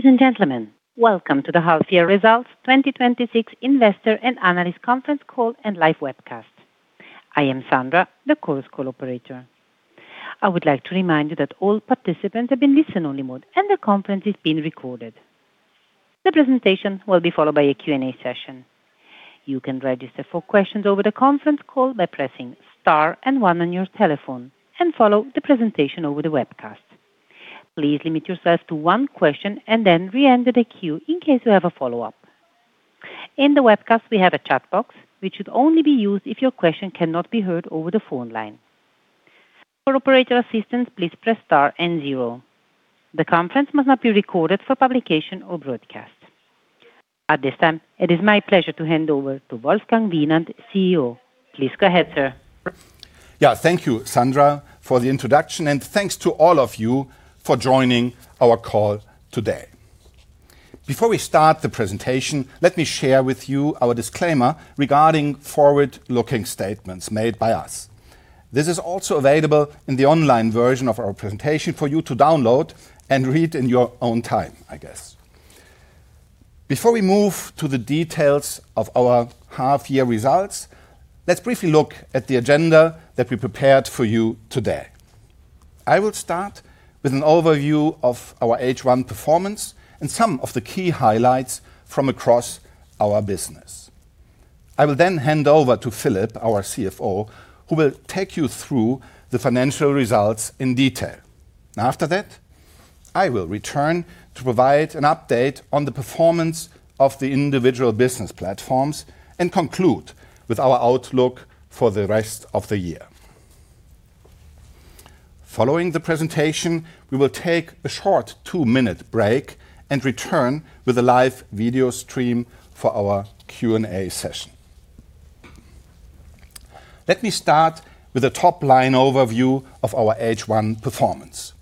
Ladies and gentlemen, welcome to the half-year results 2026 investor and analyst conference call and live webcast. I am Sandra, the Chorus Call operator. I would like to remind you that all participants have been listen-only mode and the conference is being recorded. The presentation will be followed by a Q&A session. You can register for questions over the conference call by pressing star and one on your telephone and follow the presentation over the webcast. Please limit yourself to one question and then reenter the queue in case you have a follow-up. In the webcast, we have a chat box, which should only be used if your question cannot be heard over the phone line. For operator assistance, please press star and zero. The conference must not be recorded for publication or broadcast. At this time, it is my pleasure to hand over to Wolfgang Wienand, CEO. Please go ahead, sir. Thank you, Sandra, for the introduction, and thanks to all of you for joining our call today. Before we start the presentation, let me share with you our disclaimer regarding forward-looking statements made by us. This is also available in the online version of our presentation for you to download and read in your own time, I guess. Before we move to the details of our half-year results, let's briefly look at the agenda that we prepared for you today. I will start with an overview of our H1 performance and some of the key highlights from across our business. I will then hand over to Philippe, our CFO, who will take you through the financial results in detail. After that, I will return to provide an update on the performance of the individual business platforms and conclude with our outlook for the rest of the year. Following the presentation, we will take a short two-minute break and return with a live video stream for our Q&A session. Let me start with a top-line overview of our H1 performance.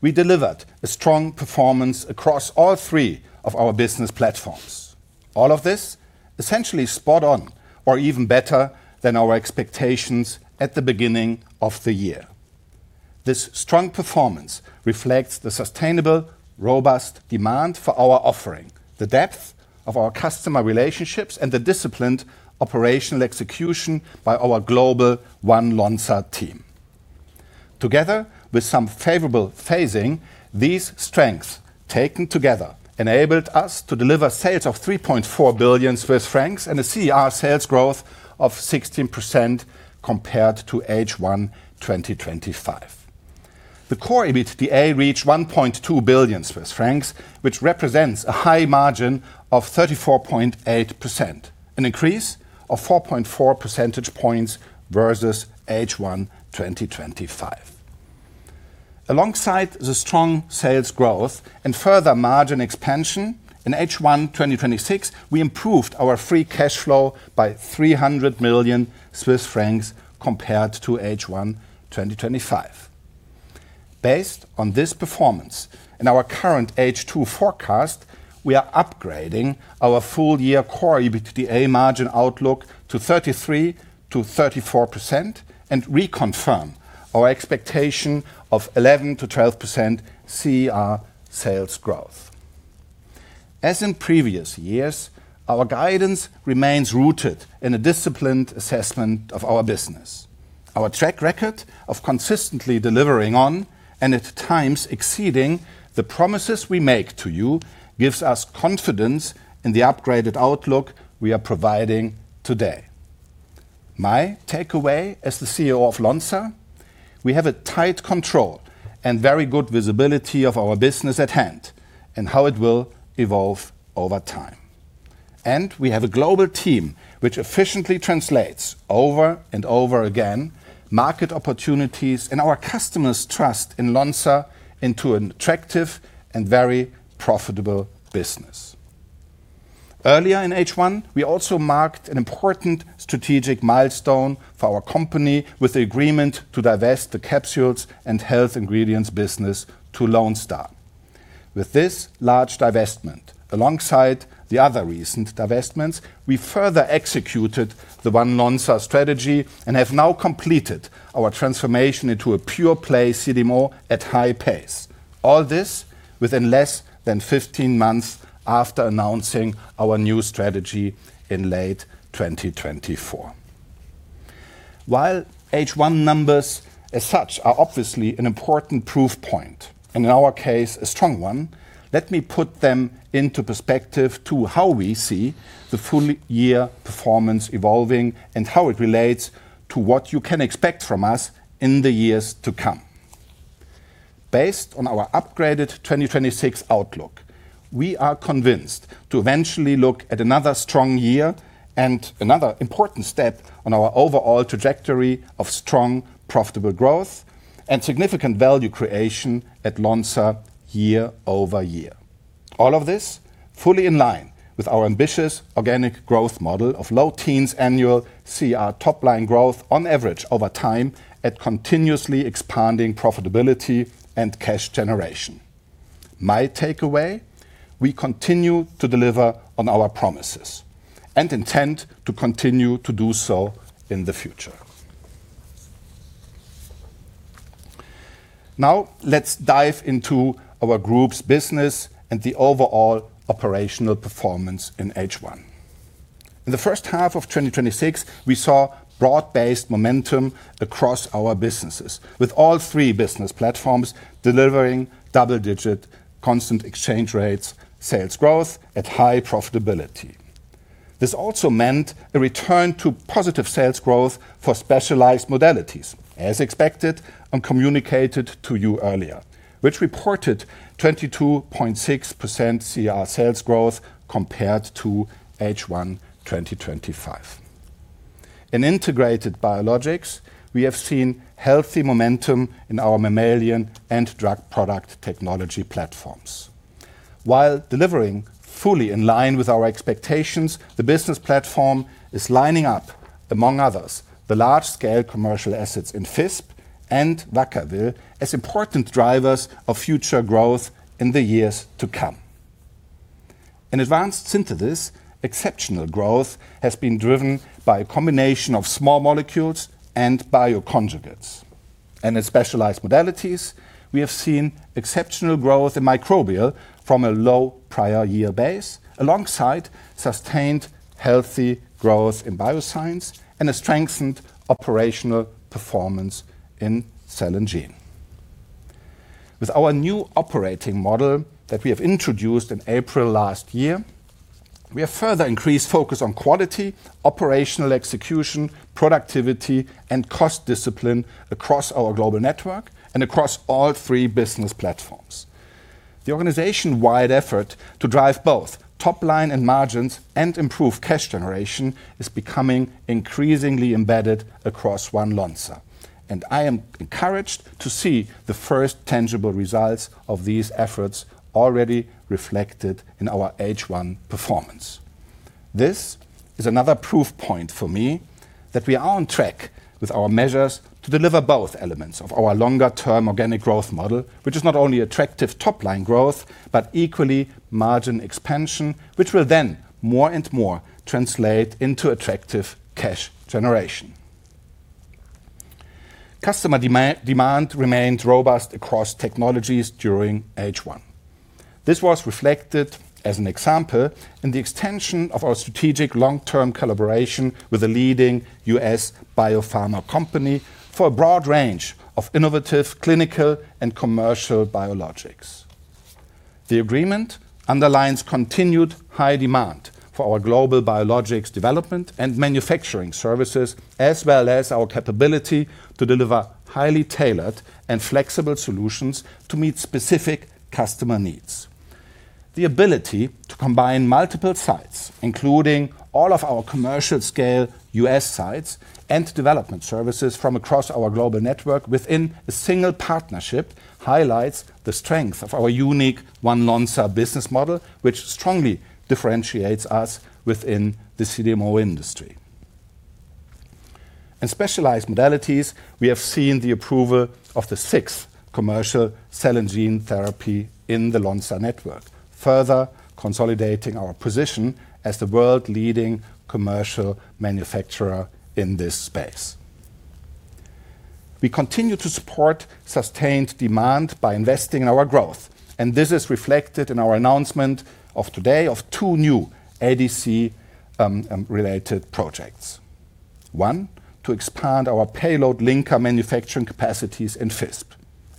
We delivered a strong performance across all three of our business platforms. All of this essentially spot on or even better than our expectations at the beginning of the year. This strong performance reflects the sustainable, robust demand for our offering, the depth of our customer relationships, and the disciplined operational execution by our global One Lonza team. Together, with some favorable phasing, these strengths, taken together, enabled us to deliver sales of 3.4 billion Swiss francs and a CER sales growth of 16% compared to H1 2025. The Core EBITDA reached 1.2 billion Swiss francs, which represents a high margin of 34.8%, an increase of 4.4 percentage points versus H1 2025. Alongside the strong sales growth and further margin expansion in H1 2026, we improved our free cash flow by 300 million Swiss francs compared to H1 2025. Based on this performance and our current H2 forecast, we are upgrading our full-year Core EBITDA margin outlook to 33%-34% and reconfirm our expectation of 11%-12% CER sales growth. As in previous years, our guidance remains rooted in a disciplined assessment of our business. Our track record of consistently delivering on, and at times exceeding, the promises we make to you gives us confidence in the upgraded outlook we are providing today. My takeaway as the CEO of Lonza, we have a tight control and very good visibility of our business at hand and how it will evolve over time. We have a global team which efficiently translates over and over again market opportunities and our customers' trust in Lonza into an attractive and very profitable business. Earlier in H1, we also marked an important strategic milestone for our company with the agreement to divest the Capsules & Health Ingredients business to Lone Star. With this large divestment, alongside the other recent divestments, we further executed the One Lonza strategy and have now completed our transformation into a pure-play CDMO at high pace. All this within less than 15 months after announcing our new strategy in late 2024. While H1 numbers as such are obviously an important proof point, and in our case, a strong one, let me put them into perspective to how we see the full year performance evolving and how it relates to what you can expect from us in the years to come. Based on our upgraded 2026 outlook, we are convinced to eventually look at another strong year and another important step on our overall trajectory of strong, profitable growth and significant value creation at Lonza year-over-year. All of this fully in line with our ambitious organic growth model of low teens annual CER top-line growth on average over time at continuously expanding profitability and cash generation. My takeaway, we continue to deliver on our promises and intend to continue to do so in the future. Let's dive into our group's business and the overall operational performance in H1. In the first half of 2026, we saw broad-based momentum across our businesses, with all three business platforms delivering double-digit Constant Exchange Rates sales growth at high profitability. This also meant a return to positive sales growth for Specialized Modalities, as expected and communicated to you earlier, which reported 22.6% CER sales growth compared to H1 2025. In Integrated Biologics, we have seen healthy momentum in our mammalian and drug product technology platforms. While delivering fully in line with our expectations, the business platform is lining up, among others, the large-scale commercial assets in Visp and Vacaville as important drivers of future growth in the years to come. In Advanced Synthesis, exceptional growth has been driven by a combination of small molecules and bioconjugates. In Specialized Modalities, we have seen exceptional growth in microbial from a low prior year base, alongside sustained healthy growth in bioscience and a strengthened operational performance in Cell and Gene. With our new operating model that we have introduced in April last year, we have further increased focus on quality, operational execution, productivity, and cost discipline across our global network and across all three business platforms. The organization-wide effort to drive both top line and margins and improve cash generation is becoming increasingly embedded across One Lonza, and I am encouraged to see the first tangible results of these efforts already reflected in our H1 performance. This is another proof point for me that we are on track with our measures to deliver both elements of our longer-term organic growth model, which is not only attractive top-line growth, but equally margin expansion, which will then more and more translate into attractive cash generation. Customer demand remained robust across technologies during H1. This was reflected, as an example, in the extension of our strategic long-term collaboration with a leading U.S. biopharma company for a broad range of innovative clinical and commercial biologics. The agreement underlines continued high demand for our global biologics development and manufacturing services, as well as our capability to deliver highly tailored and flexible solutions to meet specific customer needs. The ability to combine multiple sites, including all of our commercial scale U.S. sites and development services from across our global network within a single partnership, highlights the strength of our unique One Lonza business model, which strongly differentiates us within the CDMO industry. In Specialized Modalities, we have seen the approval of the sixth commercial Cell and Gene therapy in the Lonza network, further consolidating our position as the world leading commercial manufacturer in this space. We continue to support sustained demand by investing in our growth, and this is reflected in our announcement of today of two new ADC-related projects. One, to expand our payload linker manufacturing capacities in Visp,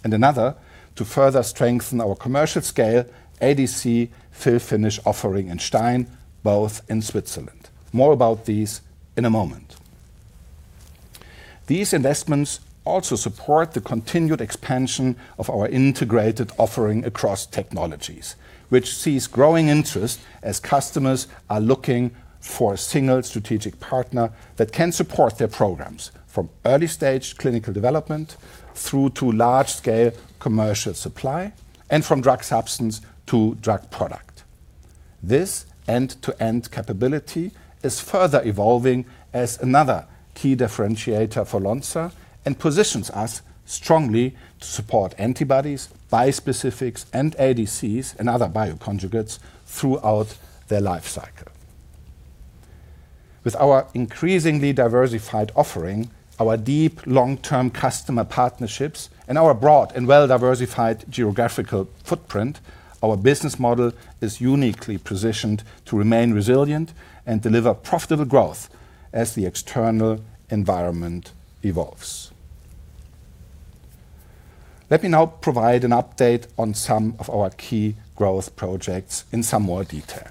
and another to further strengthen our commercial scale ADC fill finish offering in Stein, both in Switzerland. More about these in a moment. These investments also support the continued expansion of our integrated offering across technologies, which sees growing interest as customers are looking for a single strategic partner that can support their programs from early-stage clinical development through to large-scale commercial supply and from drug substance to drug product. This end-to-end capability is further evolving as another key differentiator for Lonza and positions us strongly to support antibodies, bispecifics, and ADCs and other bioconjugates throughout their life cycle. With our increasingly diversified offering, our deep long-term customer partnerships, and our broad and well-diversified geographical footprint, our business model is uniquely positioned to remain resilient and deliver profitable growth as the external environment evolves. Let me now provide an update on some of our key growth projects in some more detail.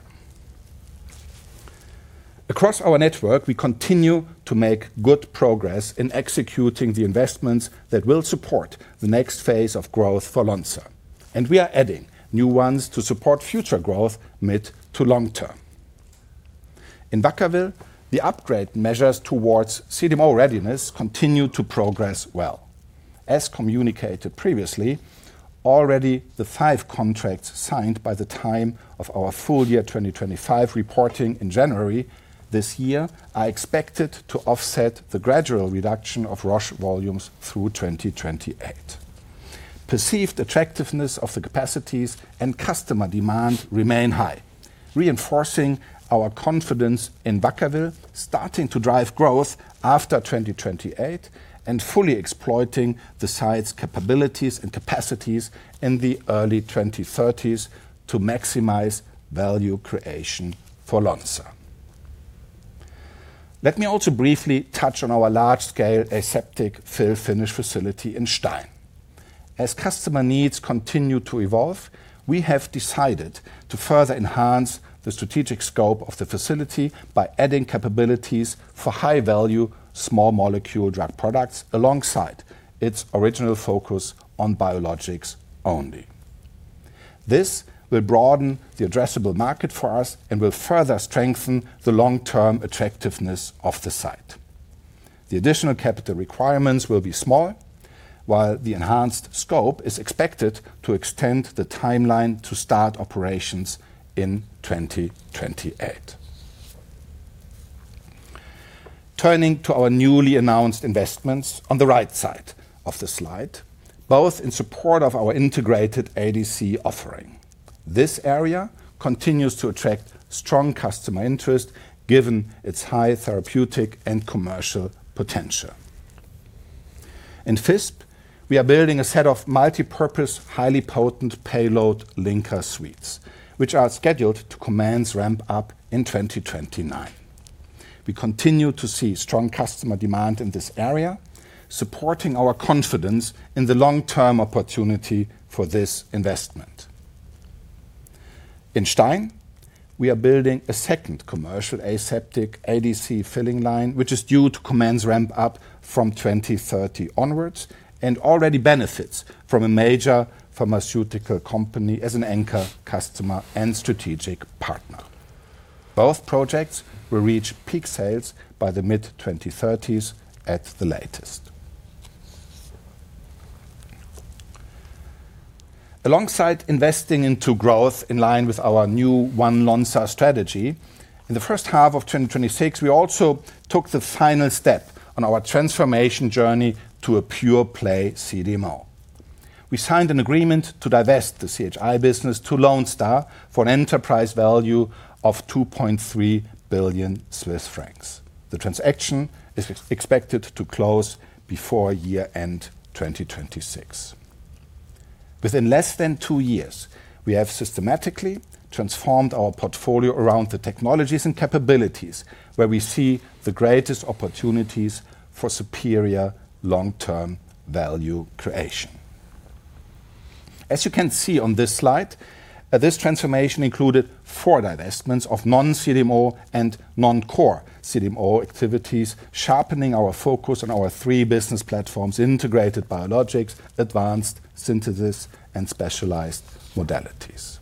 Across our network, we continue to make good progress in executing the investments that will support the next phase of growth for Lonza, and we are adding new ones to support future growth mid- to long-term. In Vacaville, the upgrade measures towards CDMO readiness continue to progress well. As communicated previously, already the five contracts signed by the time of our full year 2025 reporting in January this year are expected to offset the gradual reduction of Roche volumes through 2028. Perceived attractiveness of the capacities and customer demand remain high, reinforcing our confidence in Vacaville starting to drive growth after 2028, and fully exploiting the site's capabilities and capacities in the early 2030s to maximize value creation for Lonza. Let me also briefly touch on our large-scale aseptic fill finish facility in Stein. As customer needs continue to evolve, we have decided to further enhance the strategic scope of the facility by adding capabilities for high-value, small-molecule drug products alongside its original focus on biologics only. This will broaden the addressable market for us and will further strengthen the long-term attractiveness of the site. The additional capital requirements will be small, while the enhanced scope is expected to extend the timeline to start operations in 2028. Turning to our newly announced investments on the right side of the slide, both in support of our integrated ADC offering. This area continues to attract strong customer interest given its high therapeutic and commercial potential. In Visp, we are building a set of multipurpose, highly potent payload linker suites, which are scheduled to commence ramp up in 2029. We continue to see strong customer demand in this area, supporting our confidence in the long-term opportunity for this investment. In Stein, we are building a second commercial aseptic ADC filling line, which is due to commence ramp up from 2030 onwards and already benefits from a major pharmaceutical company as an anchor customer and strategic partner. Both projects will reach peak sales by the mid-2030s at the latest. Alongside investing into growth in line with our new One Lonza strategy, in the first half of 2026, we also took the final step on our transformation journey to a pure-play CDMO. We signed an agreement to divest the CHI business to Lone Star for an enterprise value of 2.3 billion Swiss francs. The transaction is expected to close before year-end 2026. Within less than two years, we have systematically transformed our portfolio around the technologies and capabilities where we see the greatest opportunities for superior long-term value creation. As you can see on this slide, this transformation included four divestments of non-CDMO and non-core CDMO activities, sharpening our focus on our three business platforms, Integrated Biologics, Advanced Synthesis, and Specialized Modalities.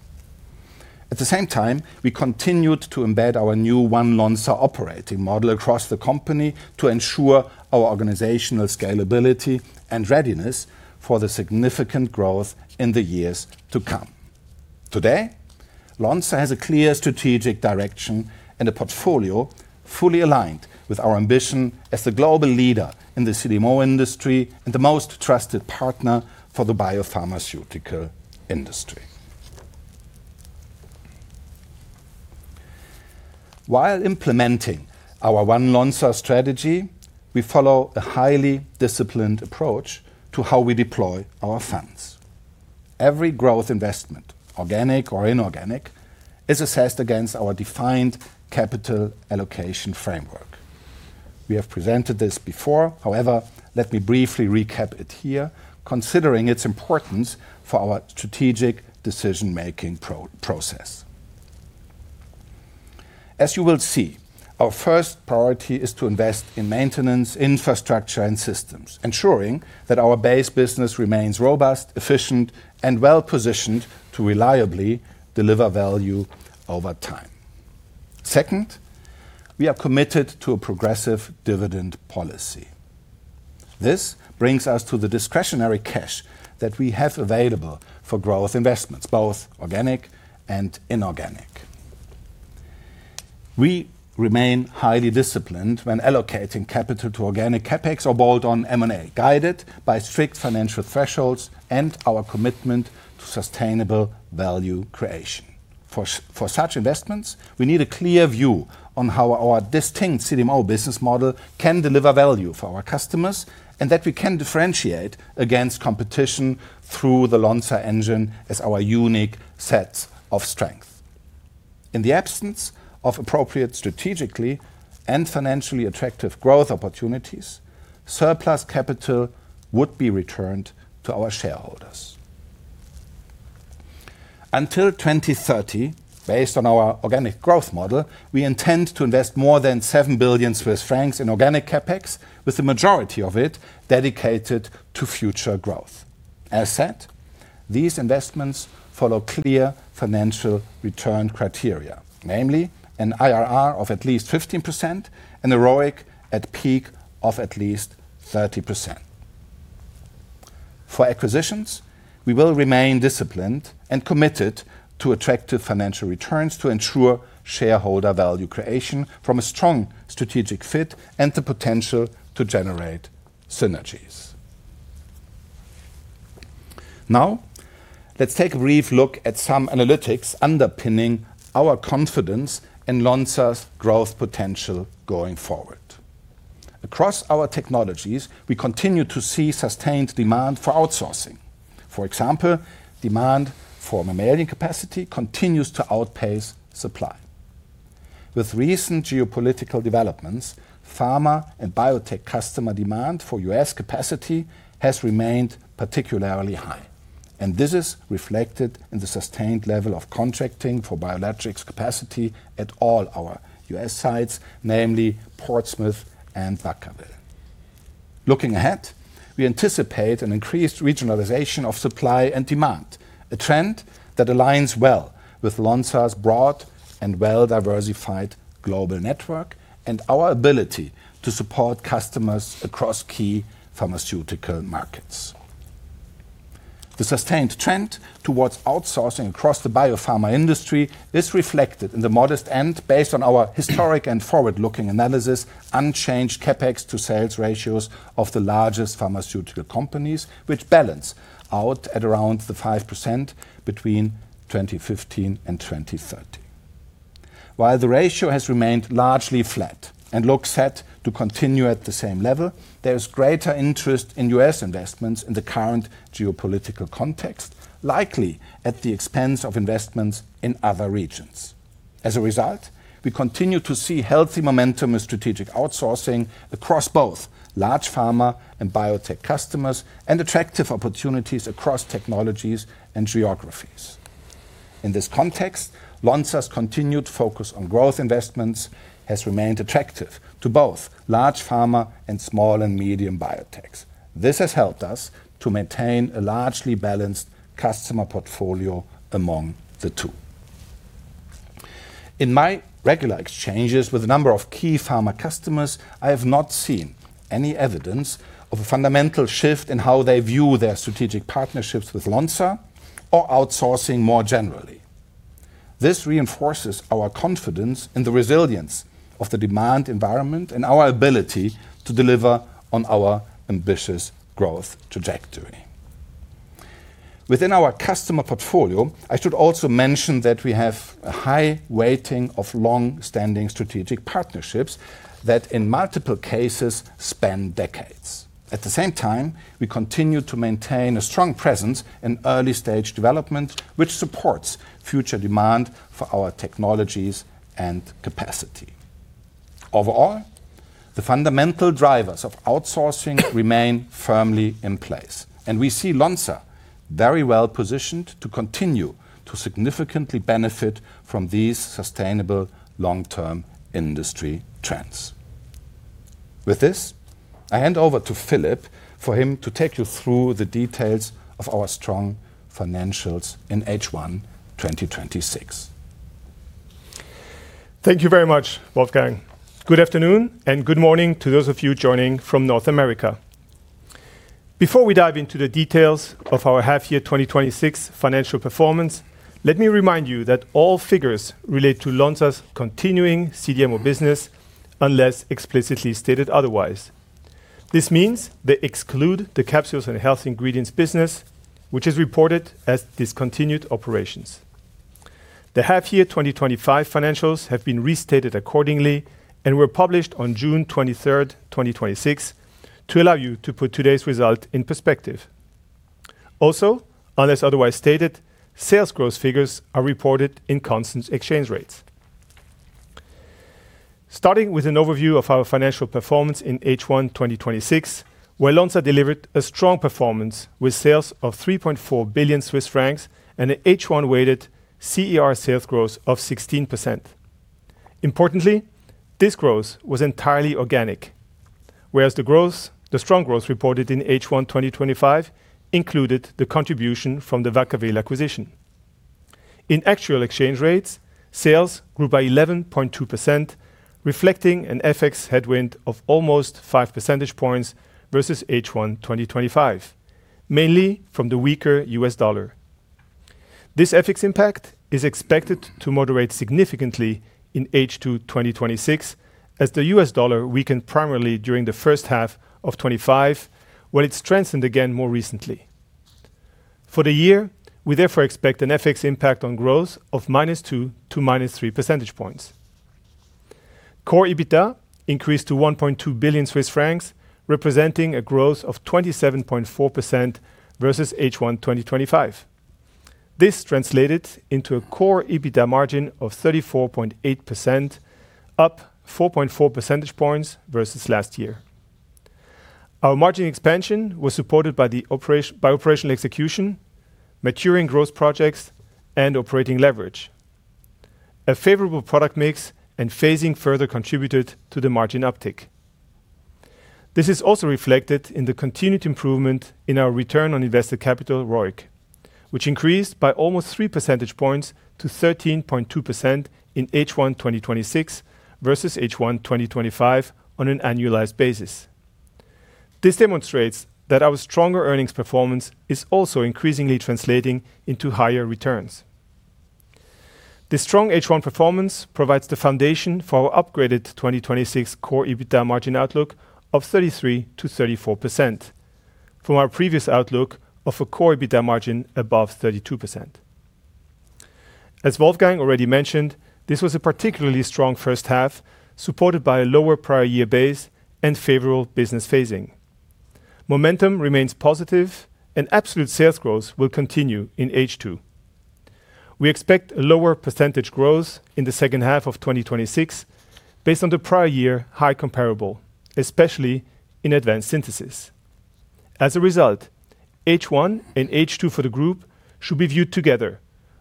At the same time, we continued to embed our new One Lonza operating model across the company to ensure our organizational scalability and readiness for the significant growth in the years to come. Today, Lonza has a clear strategic direction and a portfolio fully aligned with our ambition as the global leader in the CDMO industry and the most trusted partner for the biopharmaceutical industry. While implementing our One Lonza strategy, we follow a highly disciplined approach to how we deploy our funds. Every growth investment, organic or inorganic, is assessed against our defined capital allocation framework. We have presented this before. Let me briefly recap it here, considering its importance for our strategic decision-making process. As you will see, our first priority is to invest in maintenance, infrastructure, and systems, ensuring that our base business remains robust, efficient, and well-positioned to reliably deliver value over time. Second, we are committed to a progressive dividend policy. This brings us to the discretionary cash that we have available for growth investments, both organic and inorganic. We remain highly disciplined when allocating capital to organic CapEx or bolt-on M&A, guided by strict financial thresholds and our commitment to sustainable value creation. For such investments, we need a clear view on how our distinct CDMO business model can deliver value for our customers, and that we can differentiate against competition through the Lonza Engine as our unique set of strength. In the absence of appropriate strategically and financially attractive growth opportunities, surplus capital would be returned to our shareholders. Until 2030, based on our organic growth model, we intend to invest more than 7 billion Swiss francs in organic CapEx, with the majority of it dedicated to future growth. As said, these investments follow clear financial return criteria, namely an IRR of at least 15% and a ROIC at peak of at least 30%. For acquisitions, we will remain disciplined and committed to attractive financial returns to ensure shareholder value creation from a strong strategic fit and the potential to generate synergies. Now, let's take a brief look at some analytics underpinning our confidence in Lonza's growth potential going forward. Across our technologies, we continue to see sustained demand for outsourcing. For example, demand for mammalian capacity continues to outpace supply. With recent geopolitical developments, pharma and biotech customer demand for U.S. capacity has remained particularly high, and this is reflected in the sustained level of contracting for biologics capacity at all our U.S. sites, namely Portsmouth and Vacaville. Looking ahead, we anticipate an increased regionalization of supply and demand, a trend that aligns well with Lonza's broad and well-diversified global network and our ability to support customers across key pharmaceutical markets. The sustained trend towards outsourcing across the biopharma industry is reflected in the modest end, based on our historic and forward-looking analysis, unchanged CapEx to sales ratios of the largest pharmaceutical companies, which balance out at around the 5% between 2015 and 2030. While the ratio has remained largely flat and looks set to continue at the same level, there's greater interest in U.S. investments in the current geopolitical context, likely at the expense of investments in other regions. As a result, we continue to see healthy momentum in strategic outsourcing across both large pharma and biotech customers and attractive opportunities across technologies and geographies. In this context, Lonza's continued focus on growth investments has remained attractive to both large pharma and small and medium biotechs. This has helped us to maintain a largely balanced customer portfolio among the two. In my regular exchanges with a number of key pharma customers, I have not seen any evidence of a fundamental shift in how they view their strategic partnerships with Lonza or outsourcing more generally. This reinforces our confidence in the resilience of the demand environment and our ability to deliver on our ambitious growth trajectory. Within our customer portfolio, I should also mention that we have a high weighting of long-standing strategic partnerships that, in multiple cases, span decades. At the same time, we continue to maintain a strong presence in early-stage development, which supports future demand for our technologies and capacity. Overall, the fundamental drivers of outsourcing remain firmly in place, and we see Lonza very well-positioned to continue to significantly benefit from these sustainable long-term industry trends. With this, I hand over to Philippe for him to take you through the details of our strong financials in H1 2026. Thank you very much, Wolfgang. Good afternoon, and good morning to those of you joining from North America. Before we dive into the details of our half-year 2026 financial performance, let me remind you that all figures relate to Lonza's continuing CDMO business unless explicitly stated otherwise. This means they exclude the Capsules & Health Ingredients business, which is reported as discontinued operations. The half-year 2025 financials have been restated accordingly and were published on June 23rd, 2026, to allow you to put today's result in perspective. Also, unless otherwise stated, sales growth figures are reported in constant exchange rates. Starting with an overview of our financial performance in H1 2026, where Lonza delivered a strong performance with sales of 3.4 billion Swiss francs and an H1-weighted CER sales growth of 16%. Importantly, this growth was entirely organic, whereas the strong growth reported in H1 2025 included the contribution from the Vacaville acquisition. In actual exchange rates, sales grew by 11.2%, reflecting an FX headwind of almost five percentage points versus H1 2025, mainly from the weaker U.S. dollar. This FX impact is expected to moderate significantly in H2 2026 as the U.S. dollar weakened primarily during the first half of 2025, when it strengthened again more recently. For the year, we therefore expect an FX impact on growth of -2 to -3 percentage points. Core EBITDA increased to 1.2 billion Swiss francs, representing a growth of 27.4% versus H1 2025. This translated into a Core EBITDA margin of 34.8%, up 4.4 percentage points versus last year. Our margin expansion was supported by operational execution, maturing growth projects, and operating leverage. A favorable product mix and phasing further contributed to the margin uptick. This is also reflected in the continued improvement in our return on invested capital, ROIC, which increased by almost three percentage points to 13.2% in H1 2026 versus H1 2025 on an annualized basis. This demonstrates that our stronger earnings performance is also increasingly translating into higher returns. The strong H1 performance provides the foundation for our upgraded 2026 Core EBITDA margin outlook of 33%-34% from our previous outlook of a Core EBITDA margin above 32%. As Wolfgang already mentioned, this was a particularly strong first half, supported by a lower prior year base and favorable business phasing. Momentum remains positive and absolute sales growth will continue in H2. We expect a lower percentage growth in the second half of 2026 based on the prior year high comparable, especially in Advanced Synthesis. As a result, H1 and H2 for the group should be viewed together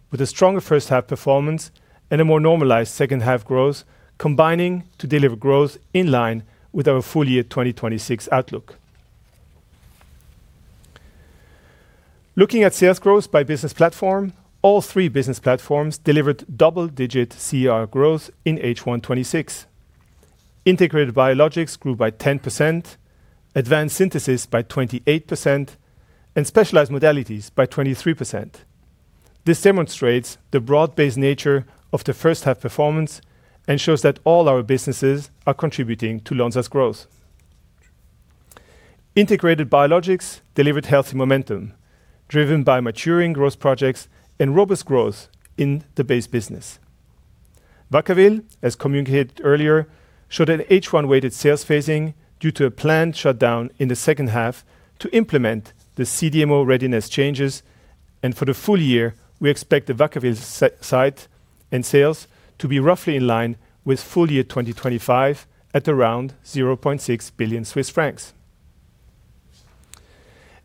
with a stronger first half performance and a more normalized second half growth, combining to deliver growth in line with our full year 2026 outlook. Looking at sales growth by business platform, all three business platforms delivered double-digit CER growth in H1 2026. Integrated Biologics grew by 10%, Advanced Synthesis by 28%, and Specialized Modalities by 23%. This demonstrates the broad-based nature of the first half performance and shows that all our businesses are contributing to Lonza's growth. Integrated Biologics delivered healthy momentum driven by maturing growth projects and robust growth in the base business. Vacaville, as communicated earlier, showed an H1-weighted sales phasing due to a planned shutdown in the second half to implement the CDMO readiness changes. For the full year, we expect the Vacaville site and sales to be roughly in line with full year 2025 at around 0.6 billion Swiss francs.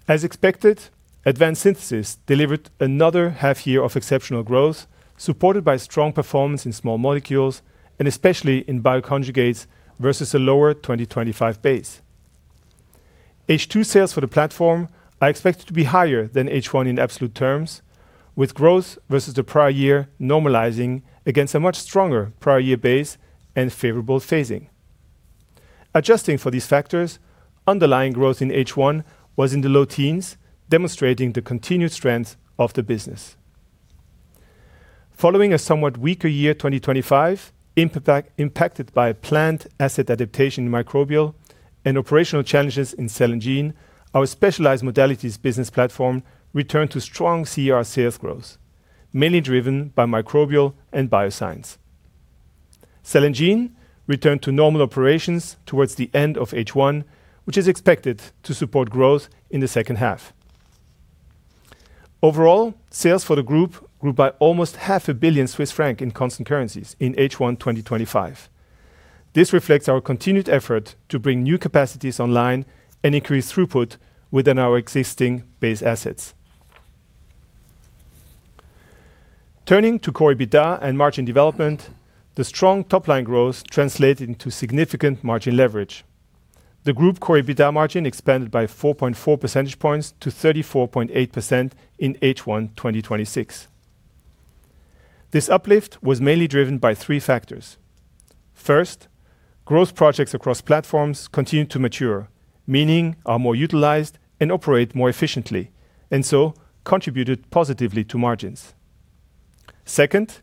As expected, Advanced Synthesis delivered another half year of exceptional growth, supported by strong performance in small molecules and especially in bioconjugates versus a lower 2025 base. H2 sales for the platform are expected to be higher than H1 in absolute terms, with growth versus the prior year normalizing against a much stronger prior year base and favorable phasing. Adjusting for these factors, underlying growth in H1 was in the low teens, demonstrating the continued strength of the business. Following a somewhat weaker year 2025, impacted by a plant asset adaptation in Microbial and operational challenges in Cell and Gene, our Specialized Modalities business platform returned to strong CER sales growth, mainly driven by Microbial and bioscience. Cell and Gene returned to normal operations towards the end of H1, which is expected to support growth in the second half. Overall, sales for the group grew by almost 0.5 billion Swiss franc in constant currencies in H1 2025. This reflects our continued effort to bring new capacities online and increase throughput within our existing base assets. Turning to Core EBITDA and margin development, the strong top-line growth translated into significant margin leverage. The group Core EBITDA margin expanded by 4.4 percentage points to 34.8% in H1 2026. This uplift was mainly driven by three factors. First, growth projects across platforms continued to mature, meaning are more utilized and operate more efficiently, contributed positively to margins. Second,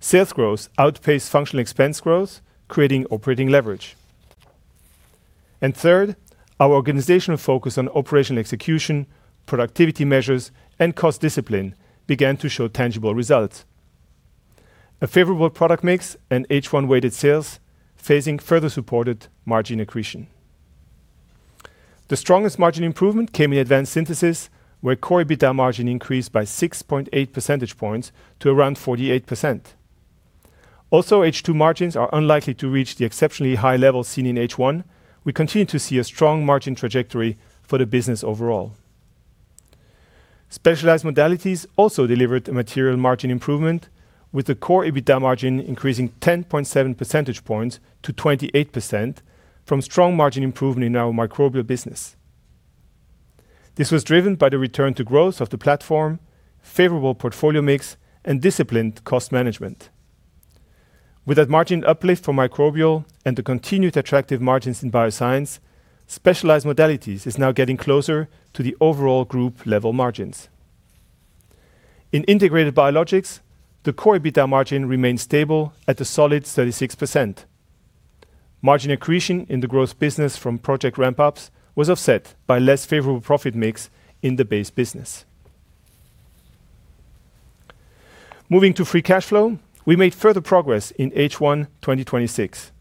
sales growth outpaced functional expense growth, creating operating leverage. Third, our organizational focus on operational execution, productivity measures, and cost discipline began to show tangible results. A favorable product mix and H1-weighted sales phasing further supported margin accretion. The strongest margin improvement came in Advanced Synthesis, where Core EBITDA margin increased by 6.8 percentage points to around 48%. H2 margins are unlikely to reach the exceptionally high level seen in H1. We continue to see a strong margin trajectory for the business overall. Specialized Modalities also delivered a material margin improvement with the Core EBITDA margin increasing 10.7 percentage points to 28% from strong margin improvement in our Microbial business. This was driven by the return to growth of the platform, favorable portfolio mix, and disciplined cost management. With that margin uplift for Microbial and the continued attractive margins in Bioscience, Specialized Modalities is now getting closer to the overall group level margins. In Integrated Biologics, the Core EBITDA margin remains stable at a solid 36%. Margin accretion in the growth business from project ramp-ups was offset by less favorable profit mix in the base business. Moving to free cash flow, we made further progress in H1 2026.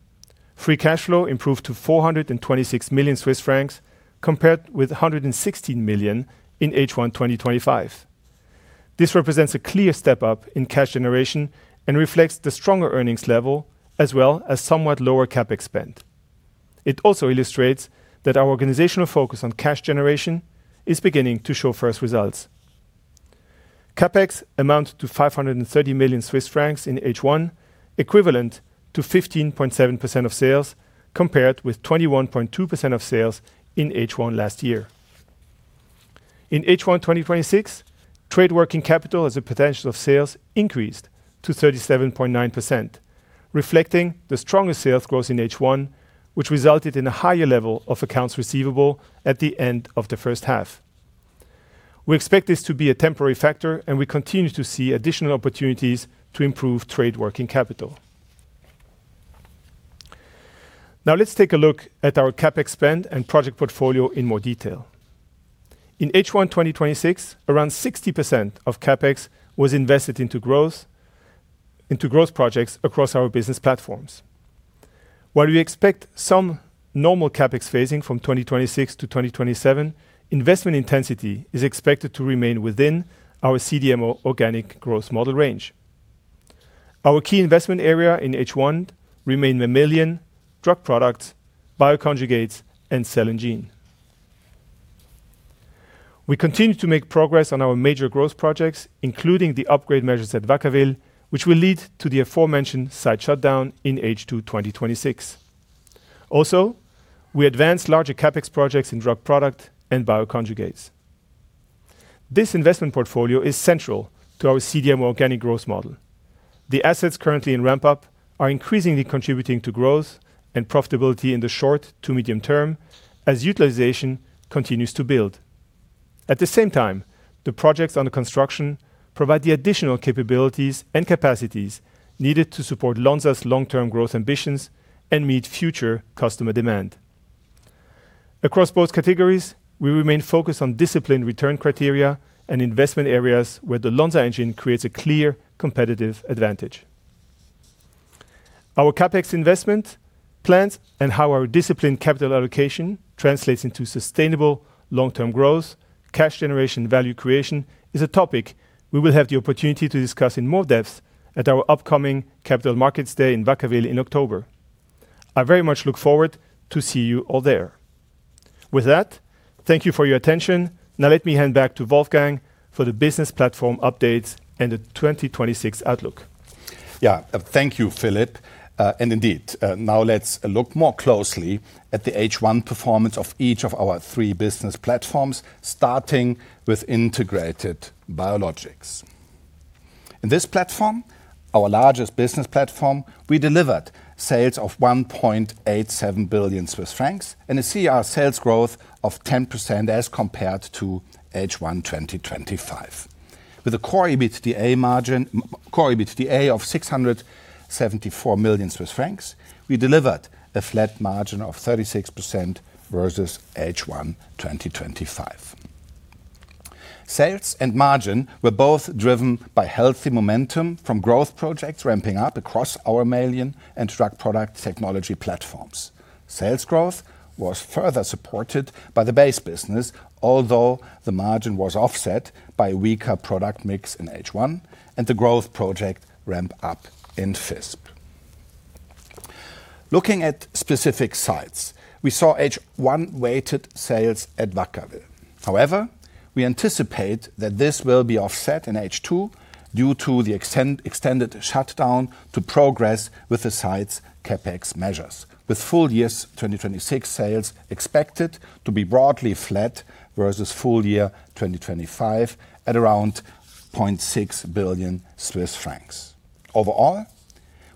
Free cash flow improved to 426 million Swiss francs compared with 116 million in H1 2025. This represents a clear step-up in cash generation and reflects the stronger earnings level as well as somewhat lower CapEx spend. It also illustrates that our organizational focus on cash generation is beginning to show first results. CapEx amounted to 530 million Swiss francs in H1, equivalent to 15.7% of sales, compared with 21.2% of sales in H1 last year. In H1 2026, trade working capital as a percentage of sales increased to 37.9%, reflecting the stronger sales growth in H1, which resulted in a higher level of accounts receivable at the end of the first half. We expect this to be a temporary factor, and we continue to see additional opportunities to improve trade working capital. Now let's take a look at our CapEx spend and project portfolio in more detail. In H1 2026, around 60% of CapEx was invested into growth projects across our business platforms. While we expect some normal CapEx phasing from 2026 to 2027, investment intensity is expected to remain within our CDMO organic growth model range. Our key investment area in H1 remained mammalian drug product, bioconjugates, and Cell and Gene. We continue to make progress on our major growth projects, including the upgrade measures at Vacaville, which will lead to the aforementioned site shutdown in H2 2026. We advanced larger CapEx projects in drug product and bioconjugates. This investment portfolio is central to our CDMO organic growth model. The assets currently in ramp-up are increasingly contributing to growth and profitability in the short to medium term as utilization continues to build. At the same time, the projects under construction provide the additional capabilities and capacities needed to support Lonza's long-term growth ambitions and meet future customer demand. Across both categories, we remain focused on disciplined return criteria and investment areas where the Lonza Engine creates a clear competitive advantage. Our CapEx investment plans and how our disciplined capital allocation translates into sustainable long-term growth, cash generation value creation, is a topic we will have the opportunity to discuss in more depth at our upcoming Capital Markets Day in Vacaville in October. I very much look forward to see you all there. With that, thank you for your attention. Now let me hand back to Wolfgang for the business platform updates and the 2026 outlook. Thank you, Philippe. Indeed, now let's look more closely at the H1 performance of each of our three business platforms, starting with Integrated Biologics. In this platform, our largest business platform, we delivered sales of 1.87 billion Swiss francs and a CER sales growth of 10% as compared to H1 2025. With a Core EBITDA of 674 million Swiss francs, we delivered a flat margin of 36% versus H1 2025. Sales and margin were both driven by healthy momentum from growth projects ramping up across our mammalian and drug product technology platforms. Sales growth was further supported by the base business, although the margin was offset by weaker product mix in H1 and the growth project ramp-up in Visp. Looking at specific sites, we saw H1 weighted sales at Vacaville. However, we anticipate that this will be offset in H2 due to the extended shutdown to progress with the site's CapEx measures, with full year 2026 sales expected to be broadly flat versus full year 2025 at around 0.6 billion Swiss francs.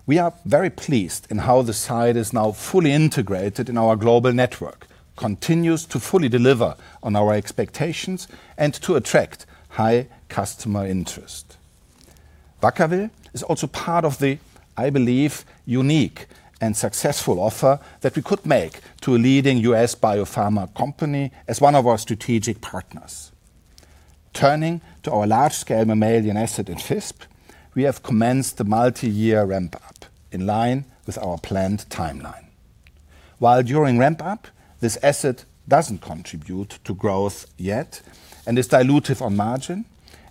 Overall, we are very pleased in how the site is now fully integrated in our global network, continues to fully deliver on our expectations, and to attract high customer interest. Vacaville is also part of the, I believe, unique and successful offer that we could make to a leading U.S. biopharma company as one of our strategic partners. Turning to our large-scale mammalian asset in Visp, we have commenced the multi-year ramp-up in line with our planned timeline. While during ramp-up, this asset doesn't contribute to growth yet and is dilutive on margin,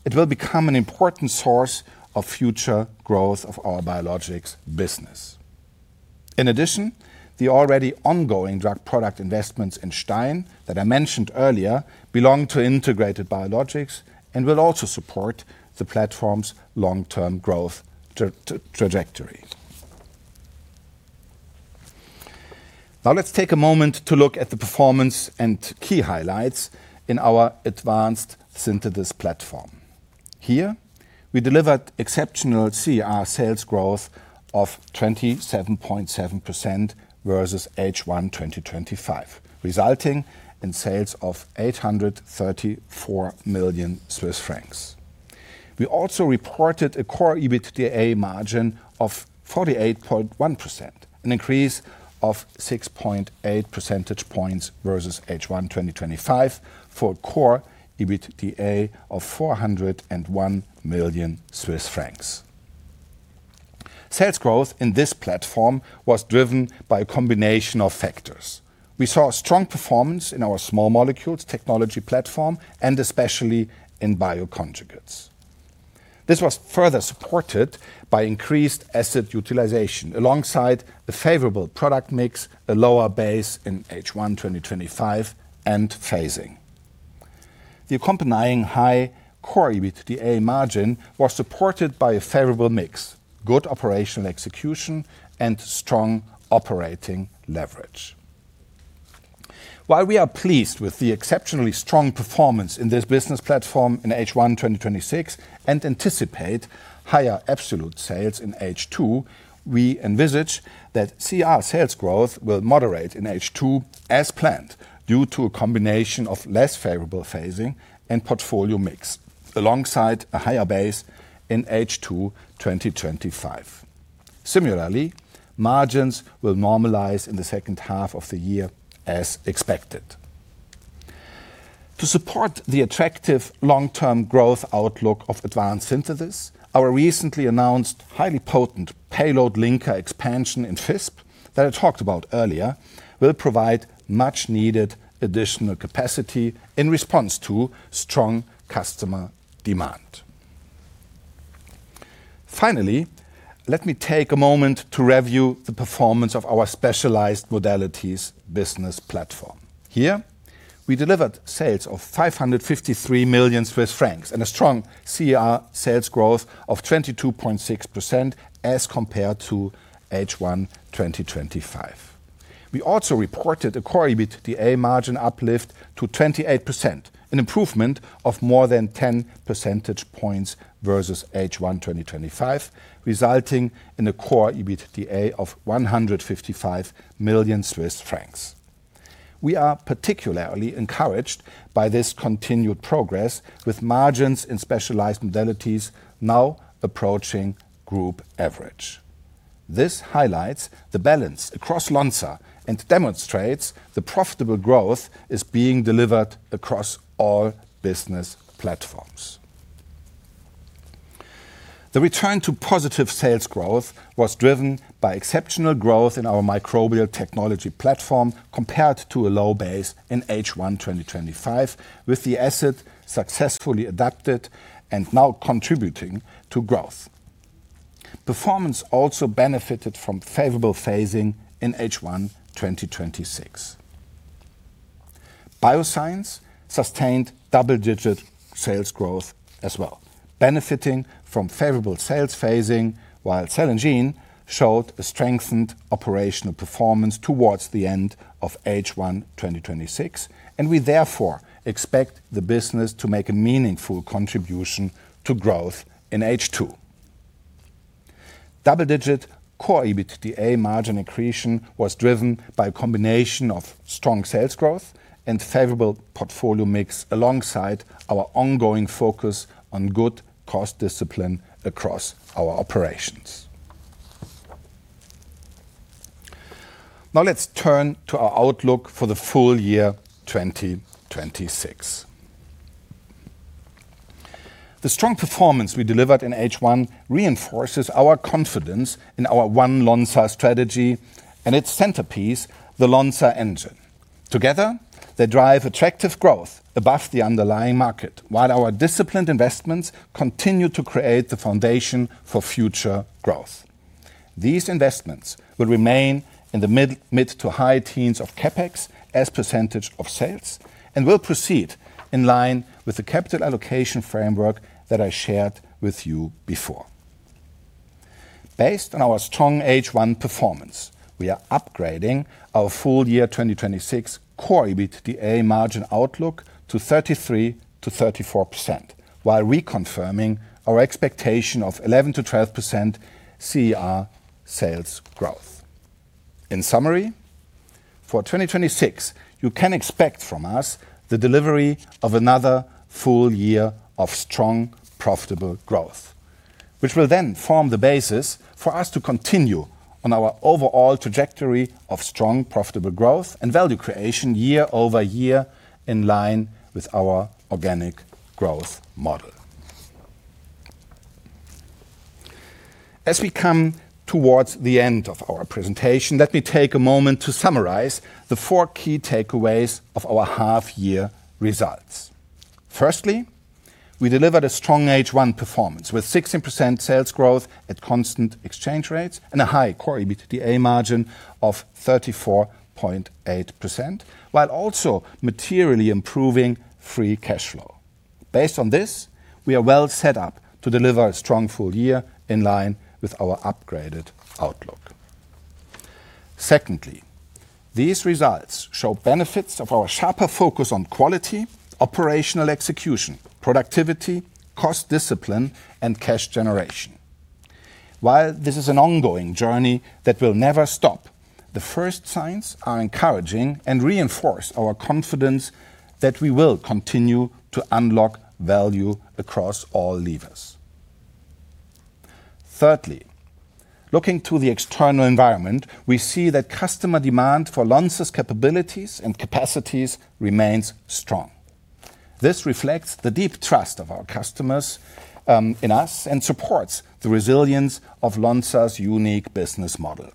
it will become an important source of future growth of our biologics business. In addition, the already ongoing drug product investments in Stein that I mentioned earlier belong to Integrated Biologics and will also support the platform's long-term growth trajectory. Now let's take a moment to look at the performance and key highlights in our Advanced Synthesis platform. Here, we delivered exceptional CER sales growth of 27.7% versus H1 2025, resulting in sales of 834 million Swiss francs. We also reported a Core EBITDA margin of 48.1%, an increase of 6.8 percentage points versus H1 2025 for Core EBITDA of 401 million Swiss francs. Sales growth in this platform was driven by a combination of factors. We saw strong performance in our small molecules technology platform and especially in bioconjugates. This was further supported by increased asset utilization alongside the favorable product mix, a lower base in H1 2025, and phasing. The accompanying high Core EBITDA margin was supported by a favorable mix, good operational execution, and strong operating leverage. While we are pleased with the exceptionally strong performance in this business platform in H1 2026, and anticipate higher absolute sales in H2, we envisage that CER sales growth will moderate in H2 as planned, due to a combination of less favorable phasing and portfolio mix, alongside a higher base in H2 2025. Similarly, margins will normalize in the second half of the year as expected. To support the attractive long-term growth outlook of Advanced Synthesis, our recently announced highly potent payload linker expansion in Visp that I talked about earlier, will provide much needed additional capacity in response to strong customer demand. Finally, let me take a moment to review the performance of our Specialized Modalities business platform. Here, we delivered sales of 553 million Swiss francs and a strong CER sales growth of 22.6% as compared to H1 2025. We also reported a Core EBITDA margin uplift to 28%, an improvement of more than 10 percentage points versus H1 2025, resulting in a Core EBITDA of 155 million Swiss francs. We are particularly encouraged by this continued progress with margins in Specialized Modalities now approaching group average. This highlights the balance across Lonza and demonstrates the profitable growth is being delivered across all business platforms. The return to positive sales growth was driven by exceptional growth in our microbial technology platform compared to a low base in H1 2025, with the asset successfully adapted and now contributing to growth. Performance also benefited from favorable phasing in H1 2026. Bioscience sustained double-digit sales growth as well, benefiting from favorable sales Cell and Gene showed a strengthened operational performance towards the end of H1 2026, and we therefore expect the business to make a meaningful contribution to growth in H2. Double-digit Core EBITDA margin accretion was driven by a combination of strong sales growth and favorable portfolio mix, alongside our ongoing focus on good cost discipline across our operations. Let's turn to our outlook for the full year 2026. The strong performance we delivered in H1 reinforces our confidence in our One Lonza strategy and its centerpiece, the Lonza Engine. Together, they drive attractive growth above the underlying market. Our disciplined investments continue to create the foundation for future growth. These investments will remain in the mid to high teens of CapEx as percentage of sales and will proceed in line with the capital allocation framework that I shared with you before. Based on our strong H1 performance, we are upgrading our full year 2026 Core EBITDA margin outlook to 33%-34%, while reconfirming our expectation of 11%-12% CER sales growth. In summary, for 2026, you can expect from us the delivery of another full year of strong, profitable growth. Which will then form the basis for us to continue on our overall trajectory of strong, profitable growth and value creation year-over-year, in line with our organic growth model. As we come towards the end of our presentation, let me take a moment to summarize the four key takeaways of our half year results. Firstly, we delivered a strong H1 performance with 16% sales growth at constant exchange rates and a high Core EBITDA margin of 34.8%, while also materially improving free cash flow. Based on this, we are well set up to deliver a strong full year in line with our upgraded outlook. Secondly, these results show benefits of our sharper focus on quality, operational execution, productivity, cost discipline and cash generation. This is an ongoing journey that will never stop, the first signs are encouraging and reinforce our confidence that we will continue to unlock value across all levers. Thirdly, looking to the external environment, we see that customer demand for Lonza's capabilities and capacities remains strong. This reflects the deep trust of our customers in us and supports the resilience of Lonza's unique business model.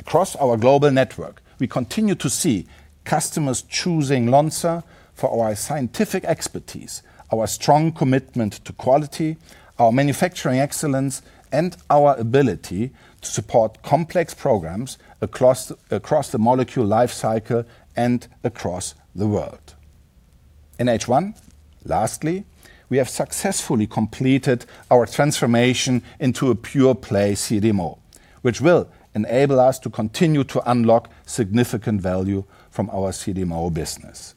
Across our global network, we continue to see customers choosing Lonza for our scientific expertise, our strong commitment to quality, our manufacturing excellence, and our ability to support complex programs across the molecule life cycle and across the world. In H1, lastly, we have successfully completed our transformation into a pure-play CDMO, which will enable us to continue to unlock significant value from our CDMO business.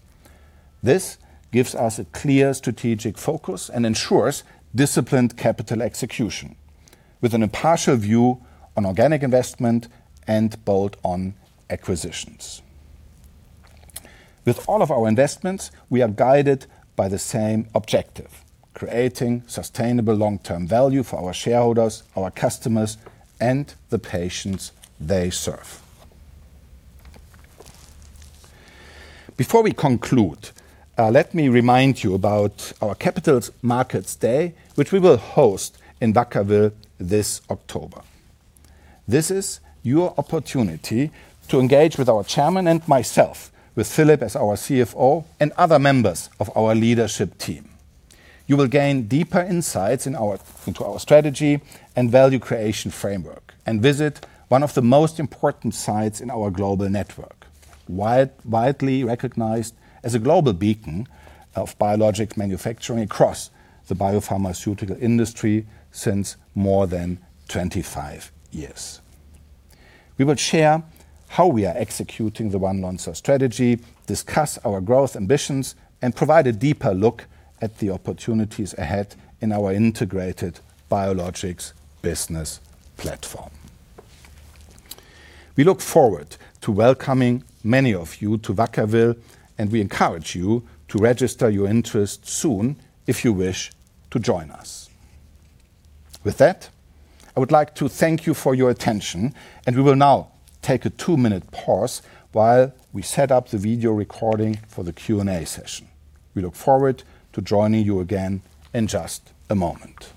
This gives us a clear strategic focus and ensures disciplined capital execution with an impartial view on organic investment and bolt-on acquisitions. With all of our investments, we are guided by the same objective: creating sustainable long-term value for our shareholders, our customers, and the patients they serve. Before we conclude, let me remind you about our Capital Markets Day, which we will host in Vacaville this October. This is your opportunity to engage with our chairman and myself, with Philippe as our CFO, and other members of our leadership team. You will gain deeper insights into our strategy and value creation framework, visit one of the most important sites in our global network, widely recognized as a global beacon of biologic manufacturing across the biopharmaceutical industry since more than 25 years. We will share how we are executing the One Lonza strategy, discuss our growth ambitions, and provide a deeper look at the opportunities ahead in our Integrated Biologics business platform. We look forward to welcoming many of you to Vacaville, we encourage you to register your interest soon if you wish to join us. With that, I would like to thank you for your attention, we will now take a two-minute pause while we set up the video recording for the Q&A session. We look forward to joining you again in just a moment.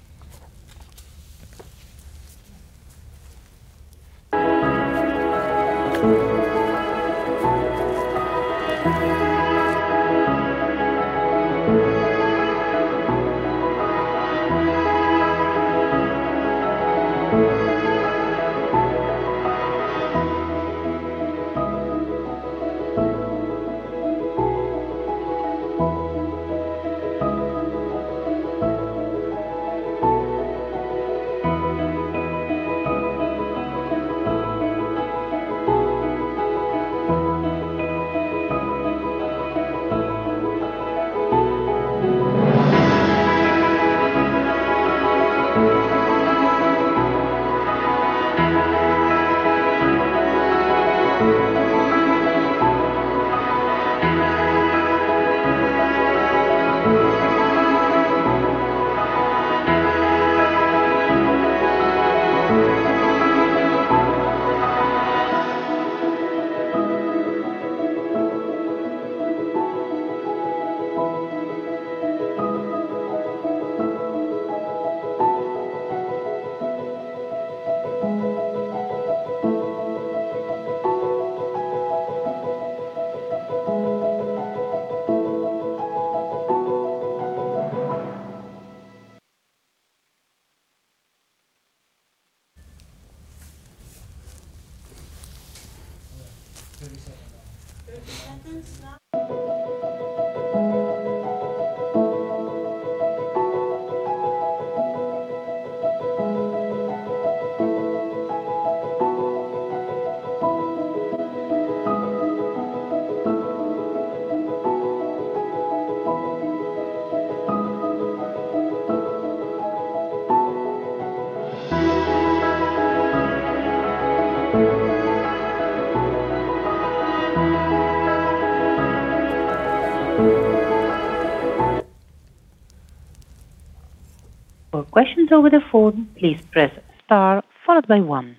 For questions over the phone, please press star followed by one.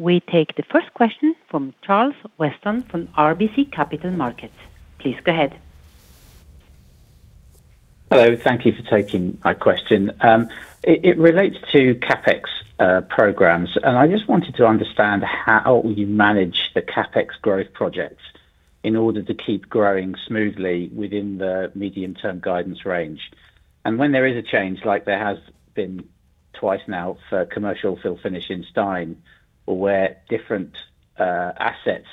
We take the first question from Charles Weston from RBC Capital Markets. Please go ahead. Hello. Thank you for taking my question. It relates to CapEx programs. I just wanted to understand how you manage the CapEx growth projects in order to keep growing smoothly within the medium-term guidance range. When there is a change, like there has been twice now for commercial fill finish in Stein, where different assets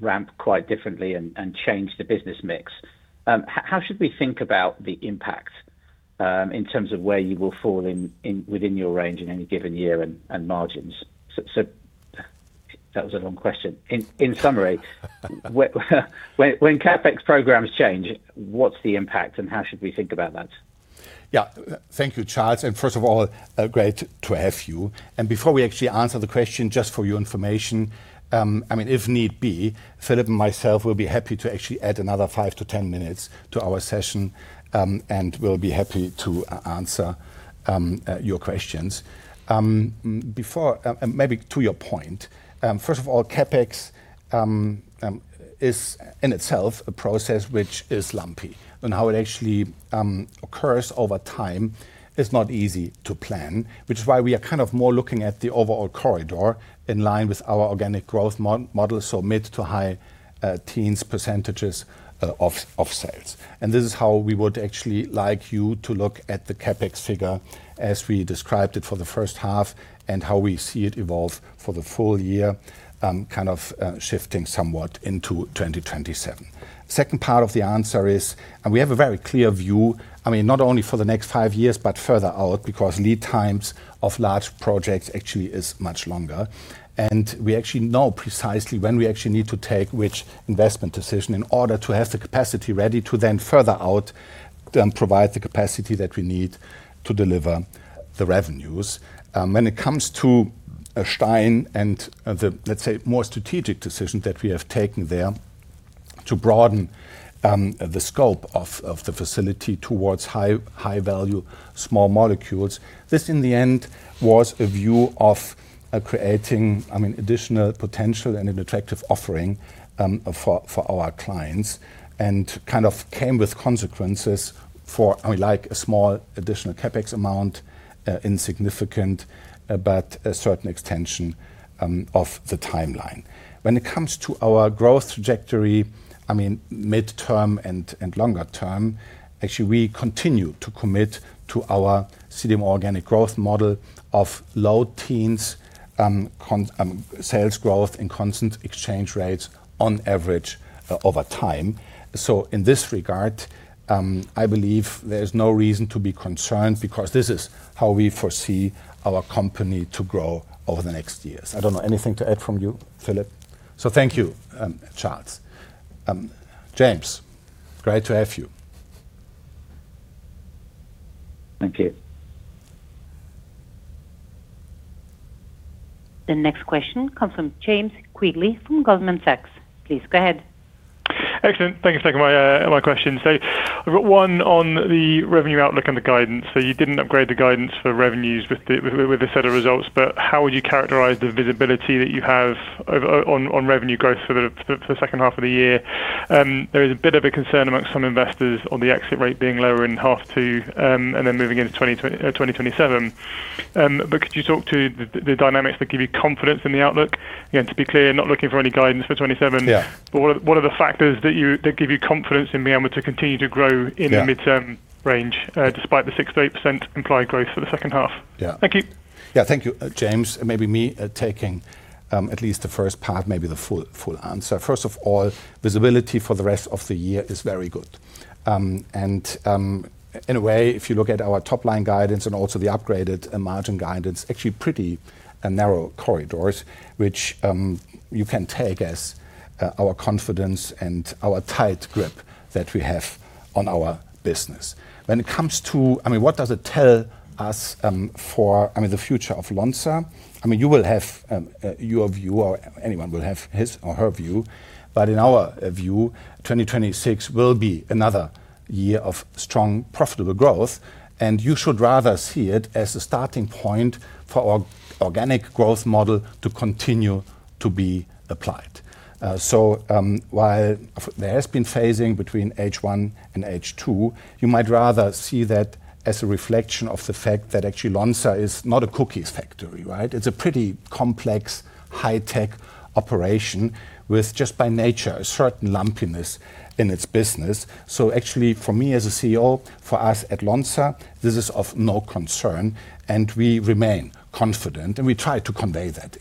ramp quite differently and change the business mix, how should we think about the impact in terms of where you will fall within your range in any given year and margins? That was a long question. In summary, when CapEx programs change, what's the impact and how should we think about that? Thank you, Charles, and first of all, great to have you. Before we actually answer the question, just for your information, if need be, Philippe and myself will be happy to actually add another 5 to 10 minutes to our session, and we'll be happy to answer your questions. Maybe to your point, first of all, CapEx is in itself a process which is lumpy, and how it actually occurs over time is not easy to plan, which is why we are more looking at the overall corridor in line with our organic growth model. Mid to high teens percentages of sales. This is how we would actually like you to look at the CapEx figure as we described it for the first half and how we see it evolve for the full year, shifting somewhat into 2027. Second part of the answer is, we have a very clear view, not only for the next five years, but further out, because lead times of large projects actually is much longer. We actually know precisely when we actually need to take which investment decision in order to have the capacity ready to then further out, then provide the capacity that we need to deliver the revenues. When it comes to Stein and the, let's say, more strategic decision that we have taken there to broaden the scope of the facility towards high-value small molecules, this, in the end, was a view of creating additional potential and an attractive offering for our clients and came with consequences for a small additional CapEx amount, insignificant, but a certain extension of the timeline. When it comes to our growth trajectory, midterm and longer term, actually, we continue to commit to our CDMO organic growth model of low teens sales growth in constant exchange rates on average over time. In this regard, I believe there's no reason to be concerned because this is how we foresee our company to grow over the next years. I don't know, anything to add from you, Philippe? Thank you, Charles. James, great to have you. Thank you. The next question comes from James Quigley from Goldman Sachs. Please go ahead. Excellent. Thank you for taking my question. I've got one on the revenue outlook and the guidance. You didn't upgrade the guidance for revenues with the set of results, but how would you characterize the visibility that you have on revenue growth for the second half of the year? There is a bit of a concern amongst some investors on the exit rate being lower in half two, and then moving into 2027. Could you talk to the dynamics that give you confidence in the outlook? To be clear, not looking for any guidance for 2027. Yeah. What are the factors that give you confidence in being able to continue to grow- Yeah in the midterm range, despite the 6%-8% implied growth for the second half? Yeah. Thank you. Yeah. Thank you, James. Maybe me taking at least the first part, maybe the full answer. First of all, visibility for the rest of the year is very good. In a way, if you look at our top-line guidance and also the upgraded margin guidance, actually pretty narrow corridors, which you can take as our confidence and our tight grip that we have on our business. When it comes to what does it tell us for the future of Lonza, you will have your view, or anyone will have his or her view. In our view, 2026 will be another year of strong, profitable growth, and you should rather see it as a starting point for our organic growth model to continue to be applied. While there has been phasing between H1 and H2, you might rather see that as a reflection of the fact that actually Lonza is not a cookies factory, right? It's a pretty complex, high-tech operation with, just by nature, a certain lumpiness in its business. Actually, for me as a CEO, for us at Lonza, this is of no concern, and we remain confident, and we try to convey that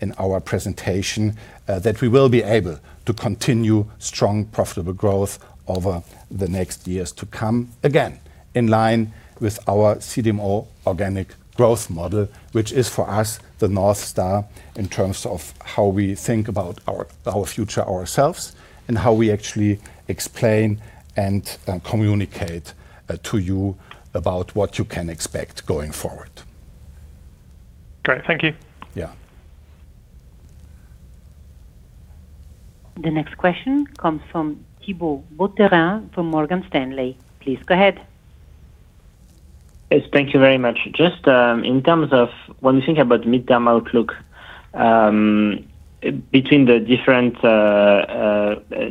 in our presentation, that we will be able to continue strong, profitable growth over the next years to come, again, in line with our CDMO organic growth model, which is, for us, the North Star in terms of how we think about our future ourselves, and how we actually explain and communicate to you about what you can expect going forward. Great. Thank you. Yeah. The next question comes from Thibault Boutherin from Morgan Stanley. Please go ahead. Yes. Thank you very much. Just in terms of when we think about midterm outlook, between the different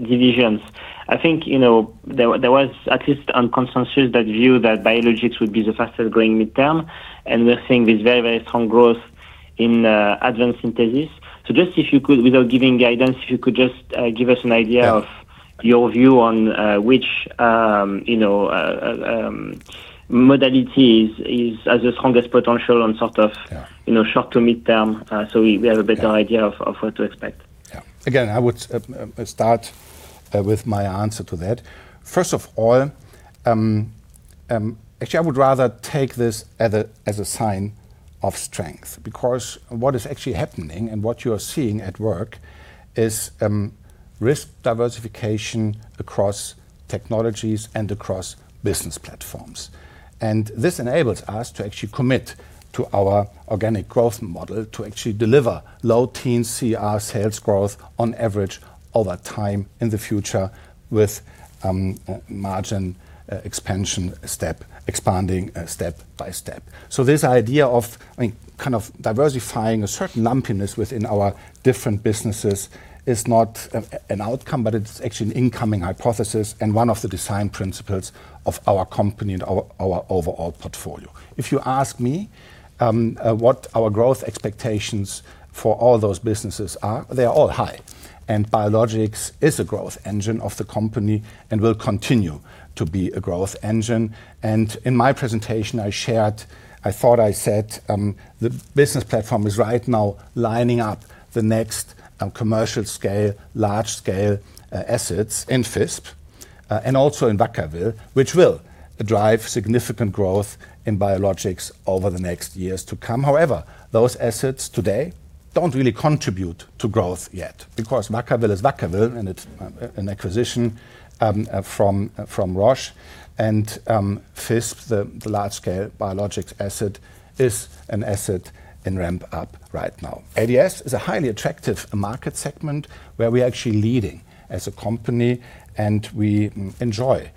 divisions, I think, there was at least on consensus that view that biologics would be the fastest-growing midterm, and we're seeing this very strong growth in Advanced Synthesis. Just if you could, without giving guidance, if you could just give us an idea of. Yeah Your view on which modalities has the strongest potential on. Yeah Short to midterm, we have a better idea of what to expect. Yeah. Again, I would start with my answer to that. First of all, actually, I would rather take this as a sign of strength, because what is actually happening and what you are seeing at work is risk diversification across technologies and across business platforms. This enables us to actually commit to our organic growth model to actually deliver low teen CER sales growth on average over time in the future with margin expansion step, expanding step by step. This idea of diversifying a certain lumpiness within our different businesses is not an outcome, but it's actually an incoming hypothesis and one of the design principles of our company and our overall portfolio. If you ask me what our growth expectations for all those businesses are, they are all high. biologics is a growth engine of the company and will continue to be a growth engine. In my presentation I shared, I thought I said the business platform is right now lining up the next commercial scale, large-scale assets in Visp, and also in Vacaville, which will drive significant growth in biologics over the next years to come. However, those assets today don't really contribute to growth yet. Vacaville is Vacaville, and it's an acquisition from Roche and Visp, the large scale biologics asset is an asset in ramp up right now. ADS is a highly attractive market segment where we're actually leading as a company, we enjoy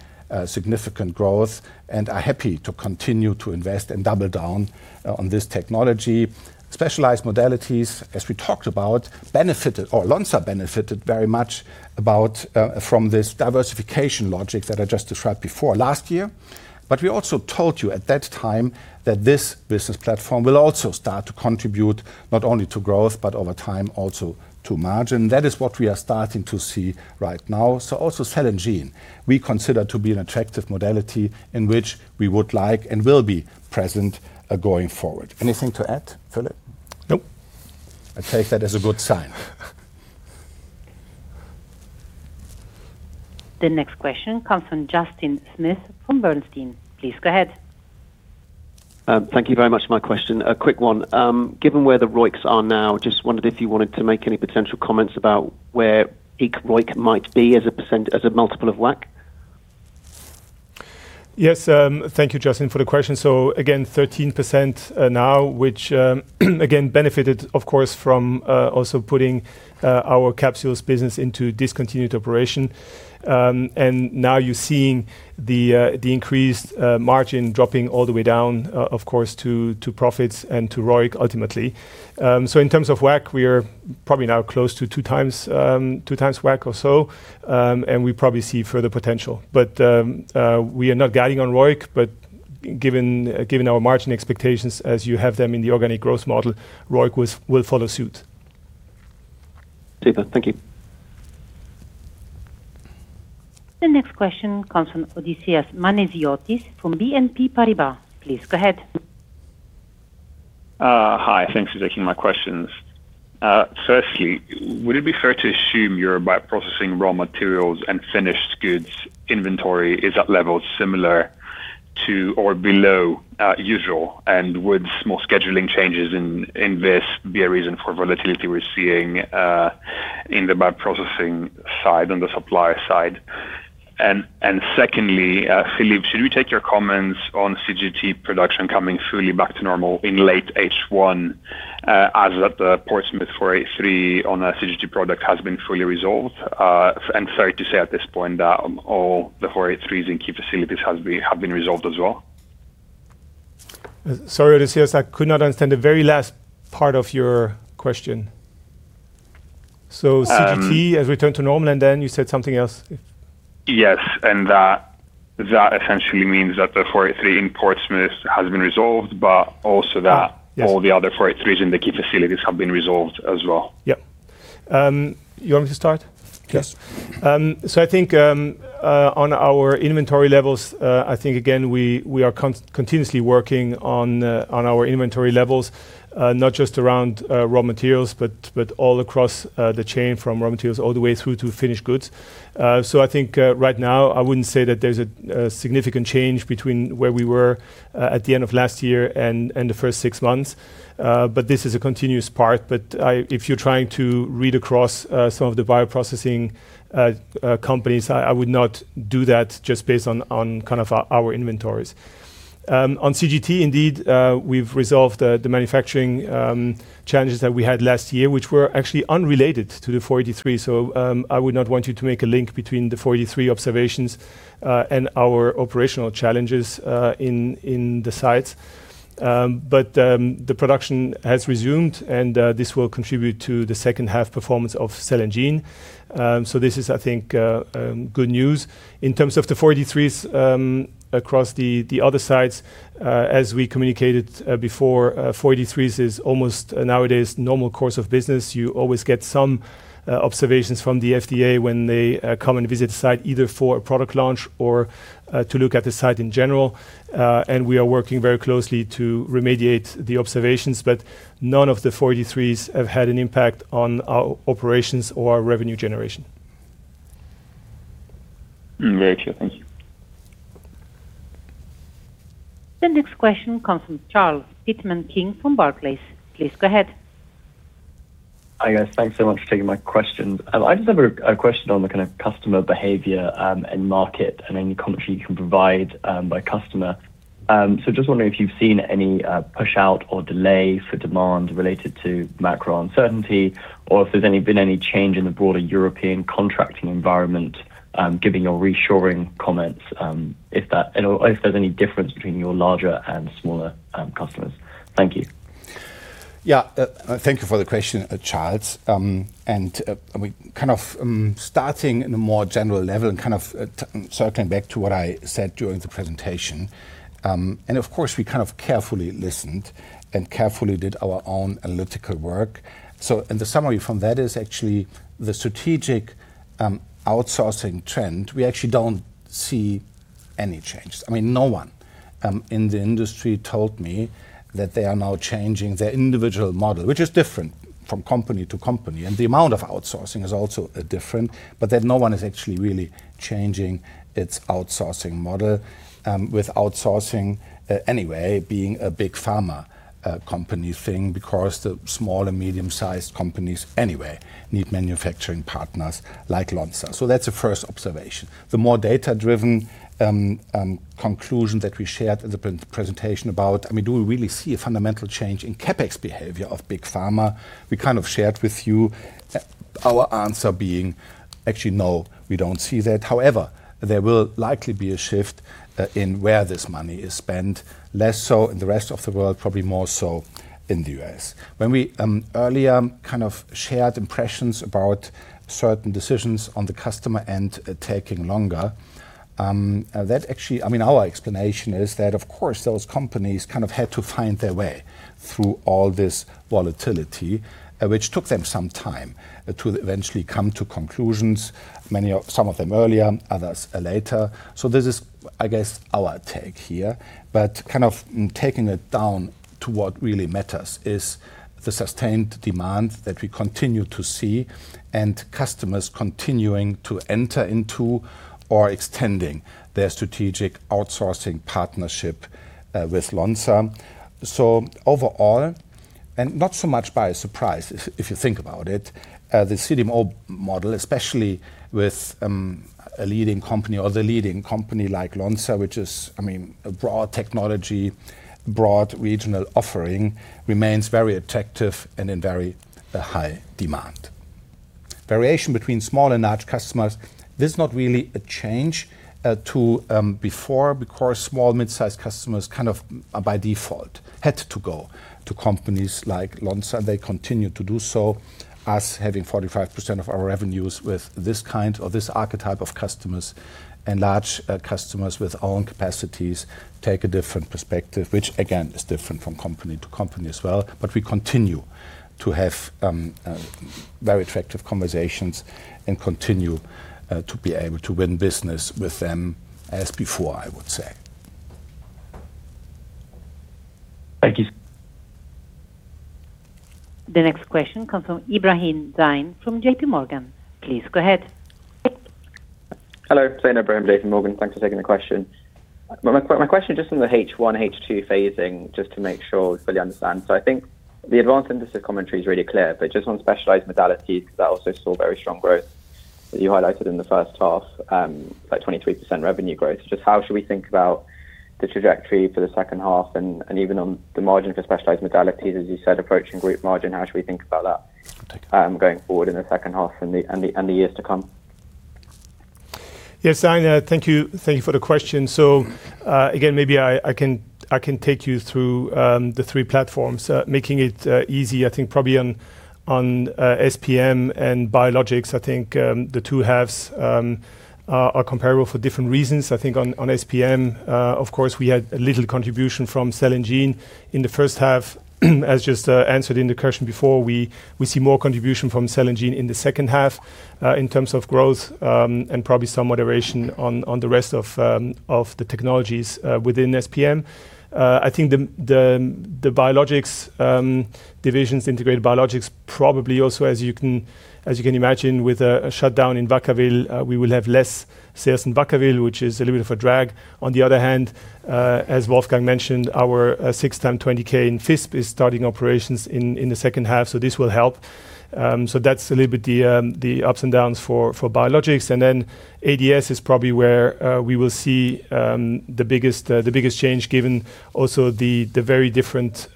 significant growth and are happy to continue to invest and double down on this technology. Specialized Modalities, as we talked about, Lonza benefited very much from this diversification logic that I just described before last year. We also told you at that time that this business platform will also start to contribute not only to growth, but over time also to margin. That is what we are starting to see right now. Also Cell and Gene we consider to be an attractive modality in which we would like and will be present going forward. Anything to add, Philippe? Nope. I take that as a good sign. The next question comes from Justin Smith from Bernstein. Please go ahead. Thank you very much for my question. A quick one. Given where the ROIC are now, just wondered if you wanted to make any potential comments about where ROIC might be as a multiple of WACC? Yes, thank you Justin for the question. Again, 13% now which, again, benefited of course from also putting our capsules business into discontinued operation. Now you're seeing the increased margin dropping all the way down, of course, to profits and to ROIC ultimately. In terms of WACC, we are probably now close to 2x WACC or so, and we probably see further potential. We are not guiding on ROIC. Given our margin expectations as you have them in the organic growth model, ROIC will follow suit. Super. Thank you. The next question comes from Odysseas Manesiotis from BNP Paribas. Please go ahead. Hi. Thanks for taking my questions. Firstly, would it be fair to assume your bioprocessing raw materials and finished goods inventory is at levels similar to or below usual? Would small scheduling changes in this be a reason for volatility we're seeing in the bioprocessing side, on the supplier side? Secondly, Philippe, should we take your comments on CGT production coming fully back to normal in late H1 as that the Portsmouth 483 on CGT product has been fully resolved? Sorry to say at this point that all the 483s in key facilities have been resolved as well? Sorry, Odysseas, I could not understand the very last part of your question. CGT has returned to normal and then you said something else. Yes. That essentially means that the 483 in Portsmouth has been resolved, but also that Yes. All the other 483s in the key facilities have been resolved as well. Yep. You want me to start? Yes. I think on our inventory levels, I think again, we are continuously working on our inventory levels, not just around raw materials, but all across the chain from raw materials all the way through to finished goods. I think right now I wouldn't say that there's a significant change between where we were at the end of last year and the first six months. This is a continuous part. If you're trying to read across some of the bioprocessing companies, I would not do that just based on our inventories. On CGT indeed, we've resolved the manufacturing challenges that we had last year, which were actually unrelated to the 483. I would not want you to make a link between the 483 observations and our operational challenges in the sites. The production has resumed, and this will contribute to the second half performance of Cell and Gene. This is, I think, good news. In terms of the 483s across the other sites, as we communicated before, 483s is almost nowadays normal course of business. You always get some observations from the FDA when they come and visit the site, either for a product launch or to look at the site in general. We are working very closely to remediate the observations, but none of the 483s have had an impact on our operations or our revenue generation. Very true. Thank you. The next question comes from Charles Pitman-King from Barclays. Please go ahead. Hi, guys. Thanks so much for taking my questions. I just have a question on the kind of customer behavior and market, and any commentary you can provide by customer. Just wondering if you've seen any push-out or delay for demand related to macro uncertainty or if there's been any change in the broader European contracting environment, given your reshoring comments, if there's any difference between your larger and smaller customers. Thank you. Yeah. Thank you for the question, Charles. We kind of starting in a more general level and kind of circling back to what I said during the presentation. Of course, we kind of carefully listened and carefully did our own analytical work. The summary from that is actually the strategic outsourcing trend. We actually don't see any changes. No one in the industry told me that they are now changing their individual model, which is different from company to company, and the amount of outsourcing is also different, but that no one is actually really changing its outsourcing model, with outsourcing, anyway, being a big pharma company thing, because the small and medium-sized companies anyway need manufacturing partners like Lonza. That's the first observation. The more data-driven conclusion that we shared in the presentation about, do we really see a fundamental change in CapEx behavior of big pharma? We kind of shared with you our answer being, actually, no, we don't see that. However, there will likely be a shift in where this money is spent, less so in the rest of the world, probably more so in the U.S. When we earlier kind of shared impressions about certain decisions on the customer end taking longer, our explanation is that, of course, those companies had to find their way through all this volatility, which took them some time to eventually come to conclusions, some of them earlier, others later. This is, I guess, our take here. Taking it down to what really matters is the sustained demand that we continue to see, and customers continuing to enter into or extending their strategic outsourcing partnership with Lonza. Overall, and not so much by surprise if you think about it, the CDMO model, especially with a leading company or the leading company like Lonza, which is a broad technology, broad regional offering, remains very attractive and in very high demand. Variation between small and large customers, this is not really a change to before, because small and mid-size customers kind of by default had to go to companies like Lonza, and they continue to do so, us having 45% of our revenues with this kind or this archetype of customers, and large customers with own capacities take a different perspective, which, again, is different from company to company as well. We continue to have very effective conversations and continue to be able to win business with them as before, I would say. Thank you. The next question comes from Zain Ibrahim from JPMorgan. Please go ahead. Hello. It's Zain Ibrahim, JPMorgan. Thanks for taking the question. My question just on the H1, H2 phasing, just to make sure I fully understand. I think the Advanced Synthesis commentary is really clear, but just on Specialized Modalities, because that also saw very strong growth that you highlighted in the first half, like 23% revenue growth. Just how should we think about the trajectory for the second half, and even on the margin for Specialized Modalities, as you said, approaching group margin, how should we think about that going forward in the second half and the years to come? Yes, Zain, thank you for the question. Again, maybe I can take you through the three platforms, making it easy, I think probably on SPM and biologics, I think the two halves are comparable for different reasons. I think on SPM, of course, we had little Cell and Gene in the first half. As just answered in the question before, we see more Cell and Gene in the second half, in terms of growth, and probably some moderation on the rest of the technologies within SPM. I think the biologics divisions, Integrated Biologics, probably also, as you can imagine, with a shutdown in Vacaville, we will have less sales in Vacaville, which is a little bit of a drag. On the other hand, as Wolfgang mentioned, our 6x20K in Visp is starting operations in the second half, this will help. That's a little bit the ups and downs for biologics. Then ADS is probably where we will see the biggest change, given also the very different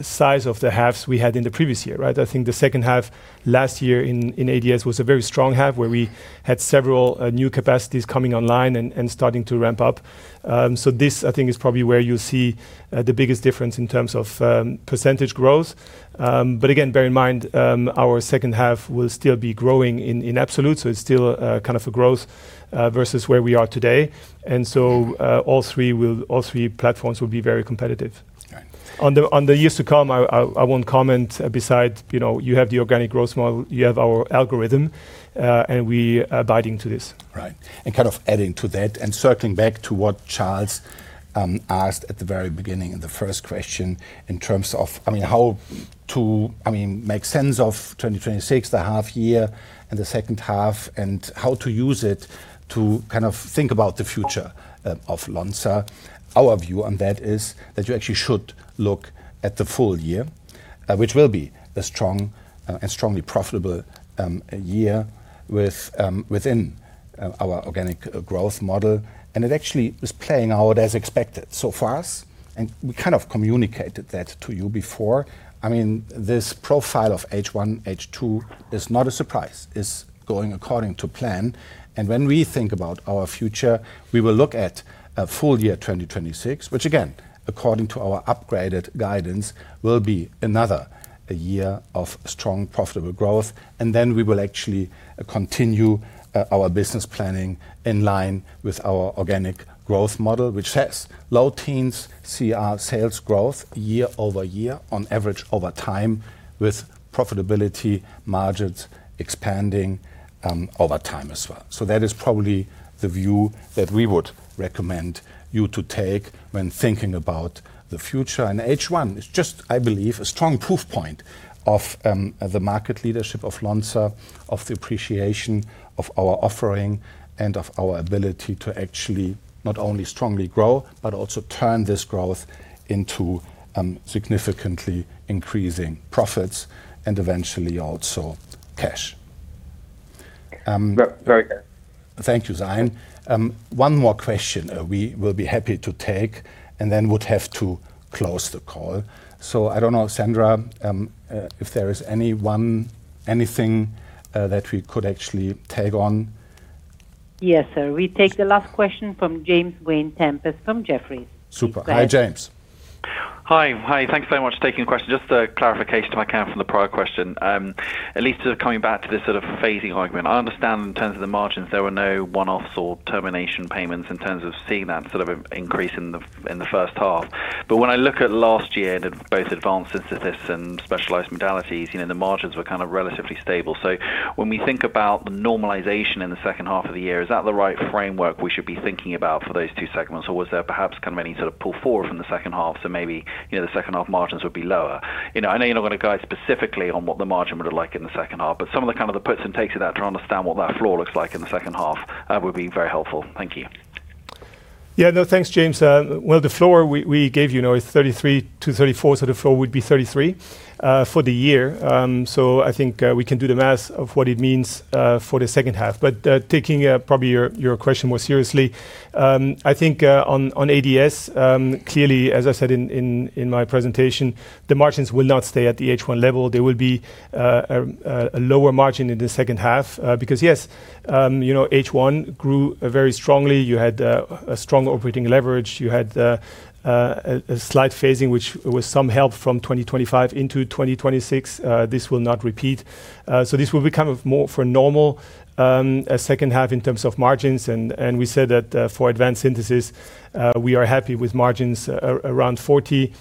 size of the halves we had in the previous year. I think the second half last year in ADS was a very strong half, where we had several new capacities coming online and starting to ramp up. This, I think, is probably where you see the biggest difference in terms of % growth. Again, bear in mind, our second half will still be growing in absolute, it's still kind of a growth, versus where we are today. All three platforms will be very competitive. Right. On the years to come, I won't comment besides, you have the organic growth model, you have our algorithm, we abiding to this. Right. Kind of adding to that and circling back to what Charles asked at the very beginning in the first question, in terms of how to make sense of 2026, the half year and the second half, and how to use it to kind of think about the future of Lonza. Our view on that is that you actually should look at the full year, which will be a strong and strongly profitable year within our organic growth model, it actually is playing out as expected so far, we kind of communicated that to you before. This profile of H1, H2 is not a surprise, is going according to plan. When we think about our future, we will look at full year 2026, which again, according to our upgraded guidance, will be another year of strong, profitable growth. Then we will actually continue our business planning in line with our organic growth model, which has low teens CER sales growth year-over-year on average over time, with profitability margins expanding over time as well. That is probably the view that we would recommend you to take when thinking about the future. H1 is just, I believe, a strong proof point of the market leadership of Lonza, of the appreciation of our offering, of our ability to actually not only strongly grow, but also turn this growth into significantly increasing profits, and eventually also cash. Very good. Thank you, Zain. One more question we will be happy to take, then would have to close the call. I don't know, Sandra, if there is anything that we could actually take on? Yes, sir. We take the last question from James Vane-Tempest from Jefferies. Super. Hi, James. Hi. Thanks very much for taking the question. Just a clarification if I can from the prior question. Alain, coming back to this sort of phasing argument. I understand in terms of the margins, there were no one-offs or termination payments in terms of seeing that sort of increase in the first half. When I look at last year in both Advanced Synthesis and Specialized Modalities, the margins were kind of relatively stable. When we think about the normalization in the second half of the year, is that the right framework we should be thinking about for those two segments? Was there perhaps kind of any sort of pull forward from the second half, so maybe the second half margins would be lower? I know you're not going to guide specifically on what the margin would have looked like in the second half, but some of the kind of the puts and takes of that to understand what that floor looks like in the second half would be very helpful. Thank you. Thanks, James. The floor we gave you now is 33-34, so the floor would be 33 for the year. I think we can do the maths of what it means for the second half. Taking probably your question more seriously, I think on ADS, clearly, as I said in my presentation, the margins will not stay at the H1 level. There will be a lower margin in the second half because yes, H1 grew very strongly. You had a strong operating leverage. You had a slight phasing, which was some help from 2025 into 2026. This will not repeat. This will be kind of more for normal second half in terms of margins, and we said that for Advanced Synthesis, we are happy with margins around 40,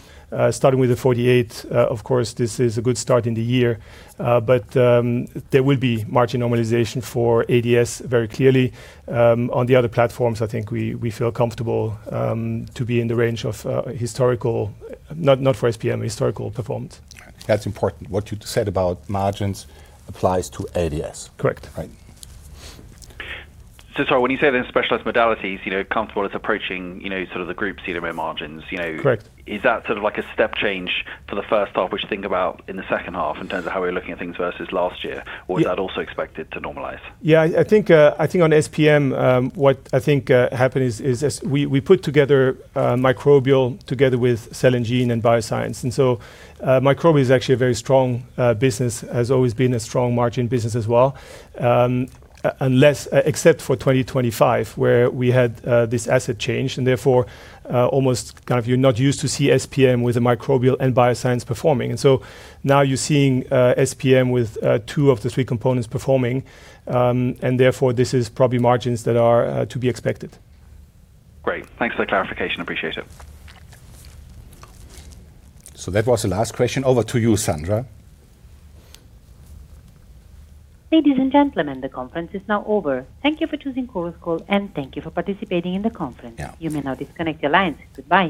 starting with the 48. Of course, this is a good start in the year. There will be margin normalization for ADS very clearly. On the other platforms, I think we feel comfortable to be in the range of historical, not for SPM, historical performance. That's important. What you said about margins applies to ADS. Correct. Right. Sorry, when you say then Specialized Modalities, comfortable it's approaching sort of the group CDMO margins- Correct is that sort of like a step change for the first half, which you think about in the second half in terms of how we're looking at things versus last year? Yeah. Is that also expected to normalize? Yeah, I think on SPM, what I think happened is we put together microbial together with Cell and Gene and bioscience. Microbial is actually a very strong business, has always been a strong margin business as well, except for 2025, where we had this asset change and therefore, almost kind of you're not used to see SPM with a microbial and bioscience performing. Now you're seeing SPM with two of the three components performing, and therefore, this is probably margins that are to be expected. Great. Thanks for the clarification. Appreciate it. That was the last question. Over to you, Sandra. Ladies and gentlemen, the conference is now over. Thank you for choosing Chorus Call, and thank you for participating in the conference. Yeah. You may now disconnect your lines. Goodbye.